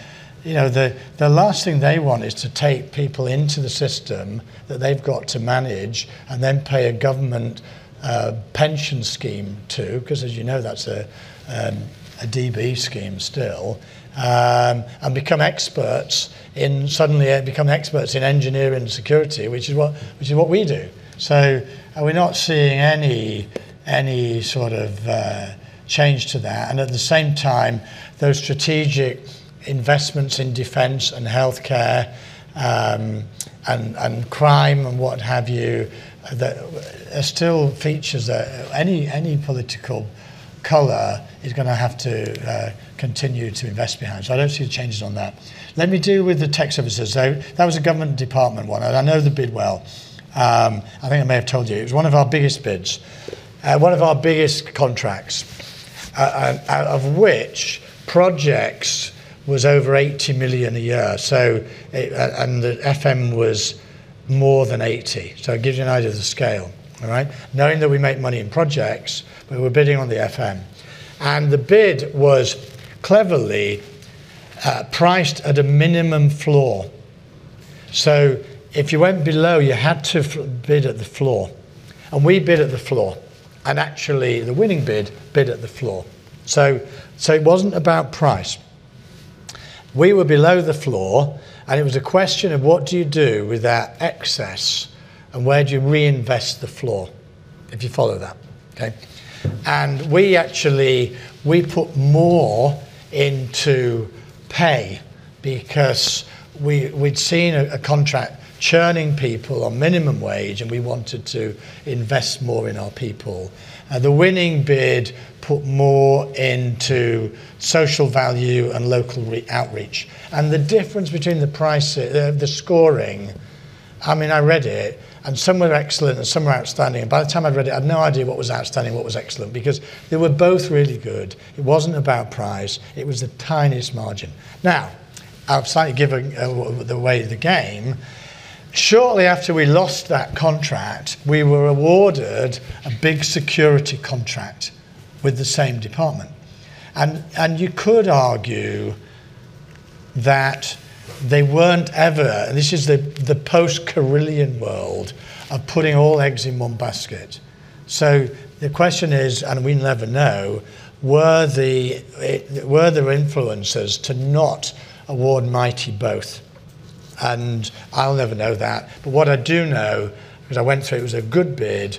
last thing they want is to take people into the system that they've got to manage and then pay a government pension scheme too, because as you know, that's a DB scheme still. Suddenly become experts in engineering security, which is what we do. We're not seeing any sort of change to that. At the same time, those strategic investments in defense and healthcare, and crime and what have you, are still features that any political color is going to have to continue to invest behind. I don't see the changes on that. Let me deal with the tech services, though. That was a government department one. I know the bid well. I think I may have told you. It was one of our biggest bids, one of our biggest contracts, out of which projects was over 80 million a year. The FM was more than 80 million. It gives you an idea of the scale. All right. Knowing that we make money in projects, but we're bidding on the FM. The bid was cleverly priced at a minimum floor. If you went below, you had to bid at the floor. We bid at the floor. Actually, the winning bid bid at the floor. It wasn't about price. We were below the floor, and it was a question of what do you do with that excess, and where do you reinvest the floor? If you follow that. Okay. We put more into pay because we'd seen a contract churning people on minimum wage, and we wanted to invest more in our people. The winning bid put more into social value and local outreach. The difference between the scoring, I read it, and some were excellent, and some were outstanding. By the time I'd read it, I had no idea what was outstanding, what was excellent, because they were both really good. It wasn't about price. It was the tiniest margin. I've slightly given away the game. Shortly after we lost that contract, we were awarded a big security contract with the same department. You could argue that they weren't ever. This is the post-Carillion world of putting all eggs in one basket. The question is, and we'll never know, were there influencers to not award Mitie both? I'll never know that. What I do know, because I went through it was a good bid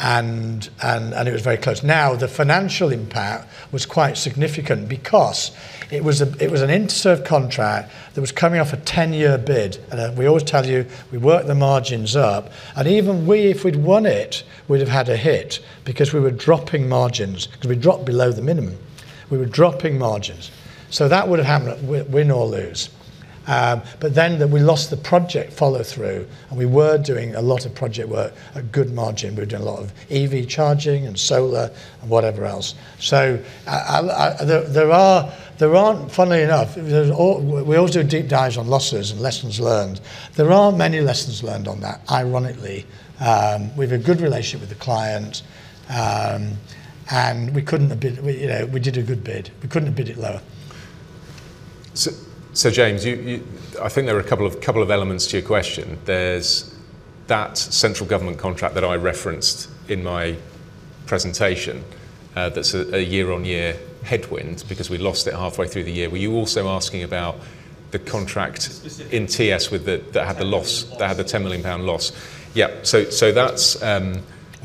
and it was very close. The financial impact was quite significant because it was an Interserve contract that was coming off a 10-year bid. We always tell you, we work the margins up, and even we, if we'd won it, we'd have had a hit because we were dropping margins because we dropped below the minimum. We were dropping margins. That would have happened win or lose. We lost the project follow-through, and we were doing a lot of project work, a good margin. We were doing a lot of EV charging and solar and whatever else. Funnily enough, we always do deep dives on losses and lessons learned. There aren't many lessons learned on that, ironically. We have a good relationship with the client, and we did a good bid. We couldn't have bid it lower. James, I think there are a couple of elements to your question. There's that central government contract that I referenced in my presentation, that's a year-on-year headwind because we lost it halfway through the year. Were you also asking about the contract, specifically in TS that had the loss? That had the 10 million pound loss. Yeah.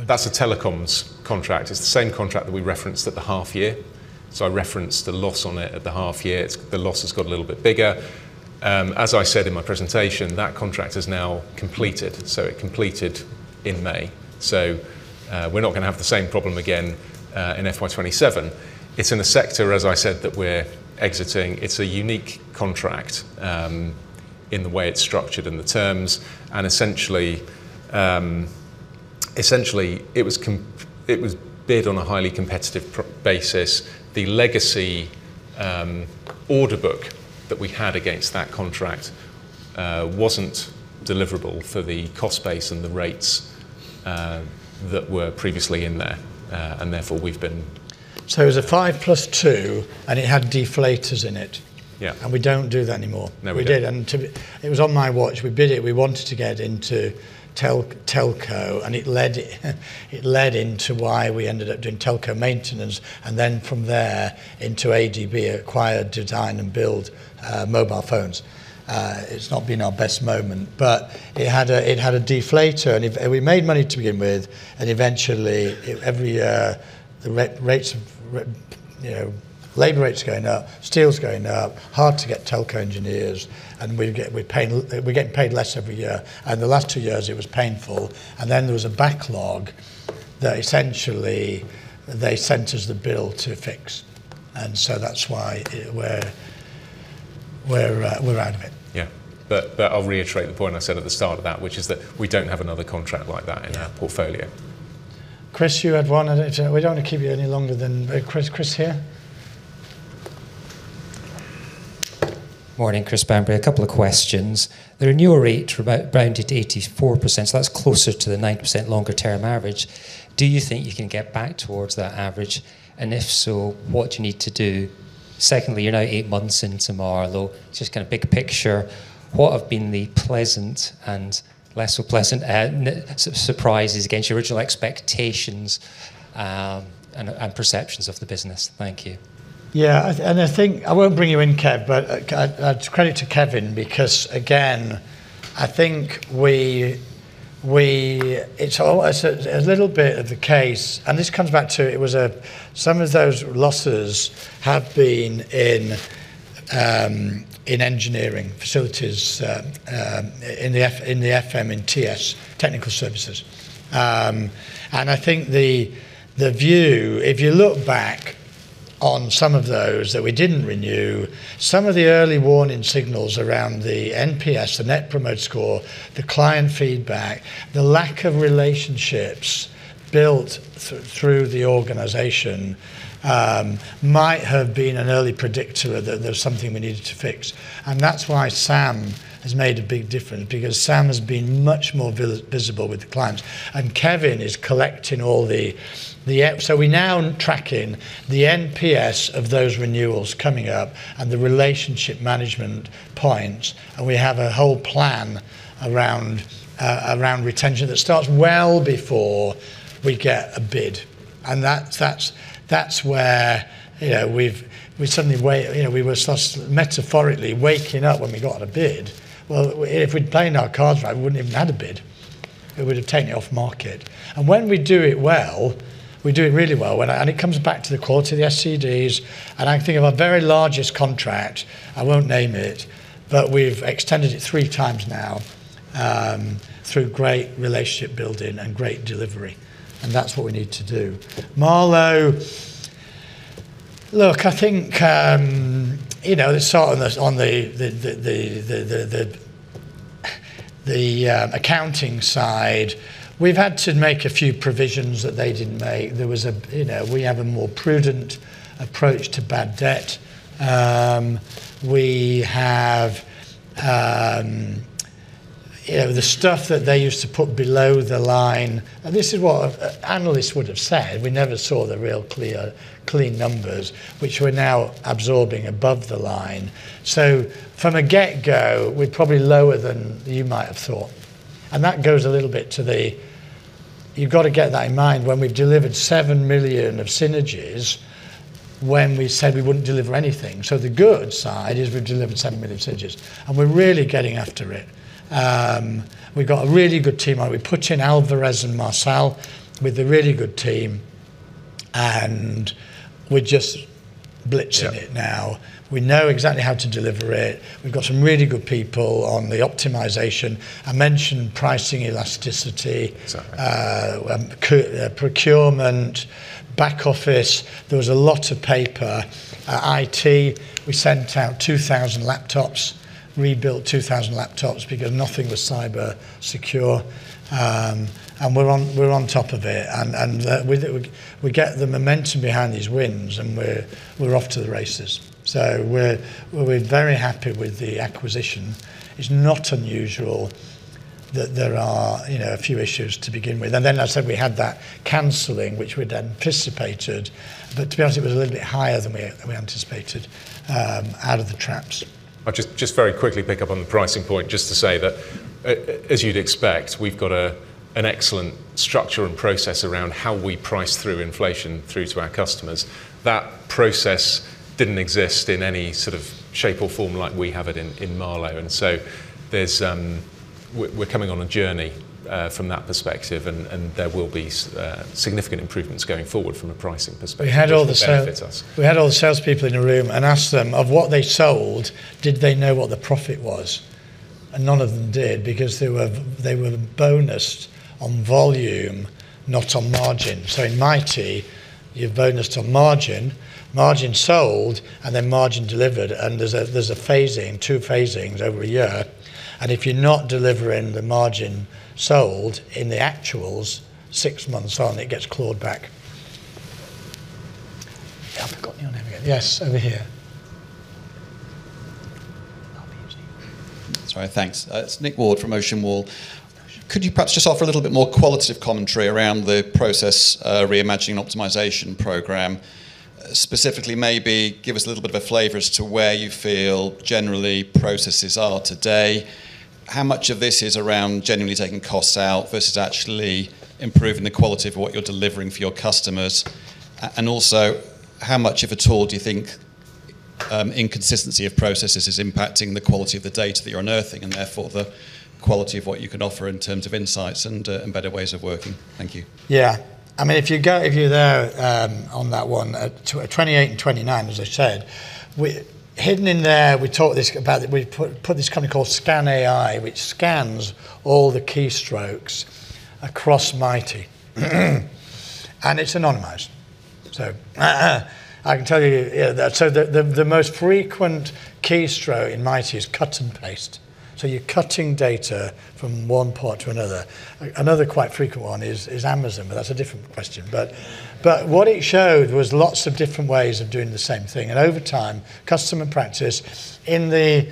That's a telecoms contract. It's the same contract that we referenced at the half-year. I referenced the loss on it at the half-year. The loss has got a little bit bigger. As I said in my presentation, that contract is now completed. It completed in May. We're not going to have the same problem again in FY 2027. It's in a sector, as I said, that we're exiting. It's a unique contract in the way it's structured and the terms, and essentially it was bid on a highly competitive basis. The legacy order book that we had against that contract wasn't deliverable for the cost base and the rates that were previously in there. It was a 5+2, and it had deflators in it. Yeah. We don't do that anymore. No, we don't. We did. It was on my watch. We bid it. We wanted to get into telco, it led into why we ended up doing telco maintenance, from there into ADB, acquire, design, and build mobile phones. It's not been our best moment, it had a deflator. We made money to begin with, eventually every year labor rates are going up, steel's going up. Hard to get telco engineers, we're getting paid less every year. The last two years it was painful. There was a backlog that essentially they sent us the bill to fix. That's why we're out of it. Yeah. I'll reiterate the point I said at the start of that, which is that we don't have another contract like that in our portfolio. Chris, you had one. We don't want to keep you any longer than Chris here. Morning, Chris Bamberry. A couple of questions. The renewal rate rounded 84%, so that's closer to the 90% longer term average. Do you think you can get back towards that average? If so, what do you need to do? Secondly, you're now eight months into Marlowe. Just kind of big picture, what have been the pleasant and less so pleasant surprises against your original expectations, and perceptions of the business? Thank you. Yeah, I think, I won't bring you in, Kev, but credit to Kevin because again, I think it's a little bit of the case. This comes back to some of those losses have been in engineering facilities, in the FM, in TS, technical services. I think the view, if you look back on some of those that we didn't renew, some of the early warning signals around the NPS, the Net Promoter Score, the client feedback, the lack of relationships built through the organization might have been an early predictor that there was something we needed to fix. That's why Sam has made a big difference, because Sam has been much more visible with the clients. Kevin is collecting all the app. We're now tracking the NPS of those renewals coming up and the relationship management points. We have a whole plan around retention that starts well before we get a bid. That's where we suddenly, we were metaphorically waking up when we got a bid. Well, if we'd played our cards right, we wouldn't have even had a bid. We would've taken it off market. When we do it well, we do it really well. It comes back to the quality of the SCDs. I can think of our very largest contract, I won't name it, but we've extended it three times now through great relationship building and great delivery. That's what we need to do. Marlowe. Look, I think, on the accounting side, we've had to make a few provisions that they didn't make. We have a more prudent approach to bad debt. We have the stuff that they used to put below the line. This is what analysts would've said. We never saw the real clean numbers, which we're now absorbing above the line. From the get-go, we're probably lower than you might have thought. That goes a little bit to the, you've got to get that in mind, when we've delivered 7 million of synergies, when we said we wouldn't deliver anything. The good side is we've delivered 7 million synergies. We're really getting after it. We've got a really good team. We put in Alvarez & Marsal. We've a really good team, and we're just blitzing it now. Yeah. We know exactly how to deliver it. We've got some really good people on the optimization. I mentioned pricing elasticity. Exactly. Procurement, back office. There was a lot of paper. IT, we sent out 2,000 laptops, rebuilt 2,000 laptops because nothing was cyber secure. We're on top of it. We get the momentum behind these wins and we're off to the races. We're very happy with the acquisition. It's not unusual. There are a few issues to begin with. As I said, we had that canceling, which we'd anticipated, but to be honest, it was a little bit higher than we anticipated out of the traps. I'll just very quickly pick up on the pricing point just to say that as you'd expect, we've got an excellent structure and process around how we price through inflation through to our customers. That process didn't exist in any sort of shape or form like we have it in Marlowe. We're coming on a journey from that perspective, and there will be significant improvements going forward from a pricing perspective that benefits us. We had all the salespeople in a room and asked them of what they sold, did they know what the profit was? None of them did because they were bonused on volume, not on margin. In Mitie, you're bonused on margin sold, and then margin delivered, and there's a phasing, two phasings over a year. If you're not delivering the margin sold in the actuals six months on, it gets clawed back. I've forgotten your name again. Yes, over here. Sorry, thanks. It's Nick Ward from Ocean Wall. Could you perhaps just offer a little bit more qualitative commentary around the process reimagining optimization program? Specifically maybe give us a little bit of a flavor as to where you feel generally processes are today. How much of this is around genuinely taking costs out versus actually improving the quality of what you're delivering for your customers? Also, how much, if at all, do you think inconsistency of processes is impacting the quality of the data that you're unearthing, and therefore the quality of what you can offer in terms of insights and better ways of working? Thank you. Yeah. If you're there on that one, 28 and 29 as I said, hidden in there, we put this thing called Scan AI, which scans all the keystrokes across Mitie. It's anonymized. I can tell you that the most frequent keystroke in Mitie is cut and paste. You're cutting data from one part to another. Another quite frequent one is Amazon, but that's a different question. What it showed was lots of different ways of doing the same thing. Over time, customer practice, with the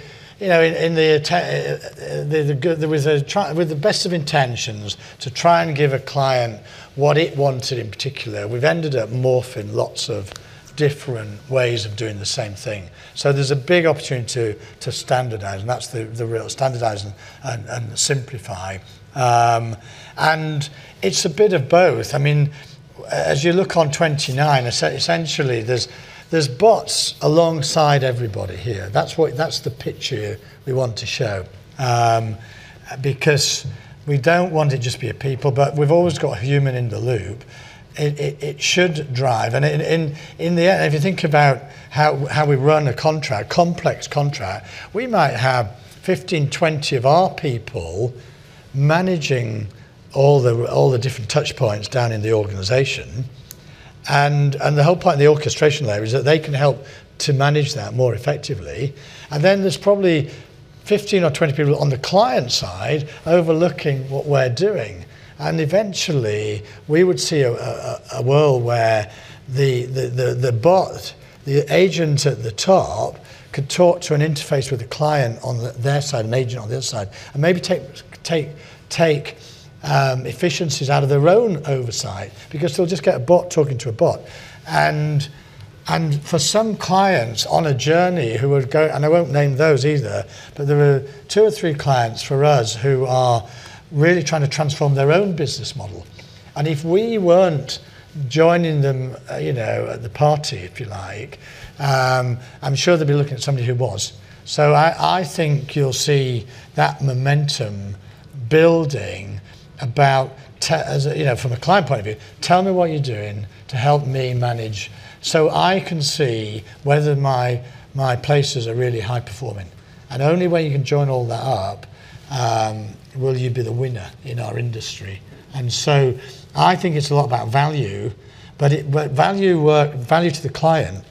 best of intentions to try and give a client what it wanted in particular, we've ended up morphing lots of different ways of doing the same thing. There's a big opportunity to standardize, and that's the real standardize and simplify. It's a bit of both. As you look on 29, essentially there's bots alongside everybody here. That's the picture we want to show because we don't want it just to be a people, but we've always got a human in the loop. It should drive. In the end, if you think about how we run a contract, complex contract, we might have 15, 20 of our people managing all the different touch points down in the organization. The whole point of the orchestration layer is that they can help to manage that more effectively. Then there's probably 15 or 20 people on the client side overlooking what we're doing. Eventually we would see a world where the bot, the agent at the top could talk to an interface with a client on their side, an agent on the other side, and maybe take efficiencies out of their own oversight because they'll just get a bot talking to a bot. For some clients on a journey who would go, and I won't name those either, but there are two or three clients for us who are really trying to transform their own business model. If we weren't joining them at the party, if you like, I'm sure they'd be looking at somebody who was. I think you'll see that momentum building about from a client point of view, "tell me what you're doing to help me manage so I can see whether my places are really high-performing." Only when you can join all that up will you be the winner in our industry. I think it's a lot about value to the client.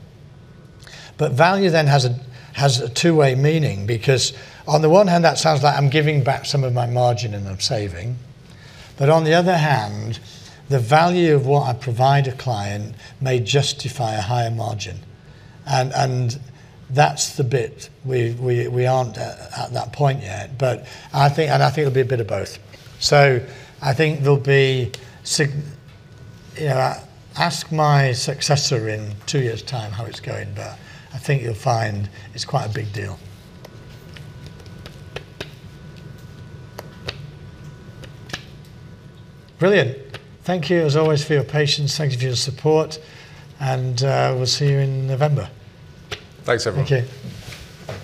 Value then has a two-way meaning because on the one hand, that sounds like I'm giving back some of my margin and I'm saving. On the other hand, the value of what I provide a client may justify a higher margin. That's the bit we aren't at that point yet. I think it'll be a bit of both. Ask my successor in two years' time how it's going, but I think you'll find it's quite a big deal. Brilliant. Thank you as always for your patience. Thank you for your support, and we'll see you in November. Thanks, everyone. Thank you.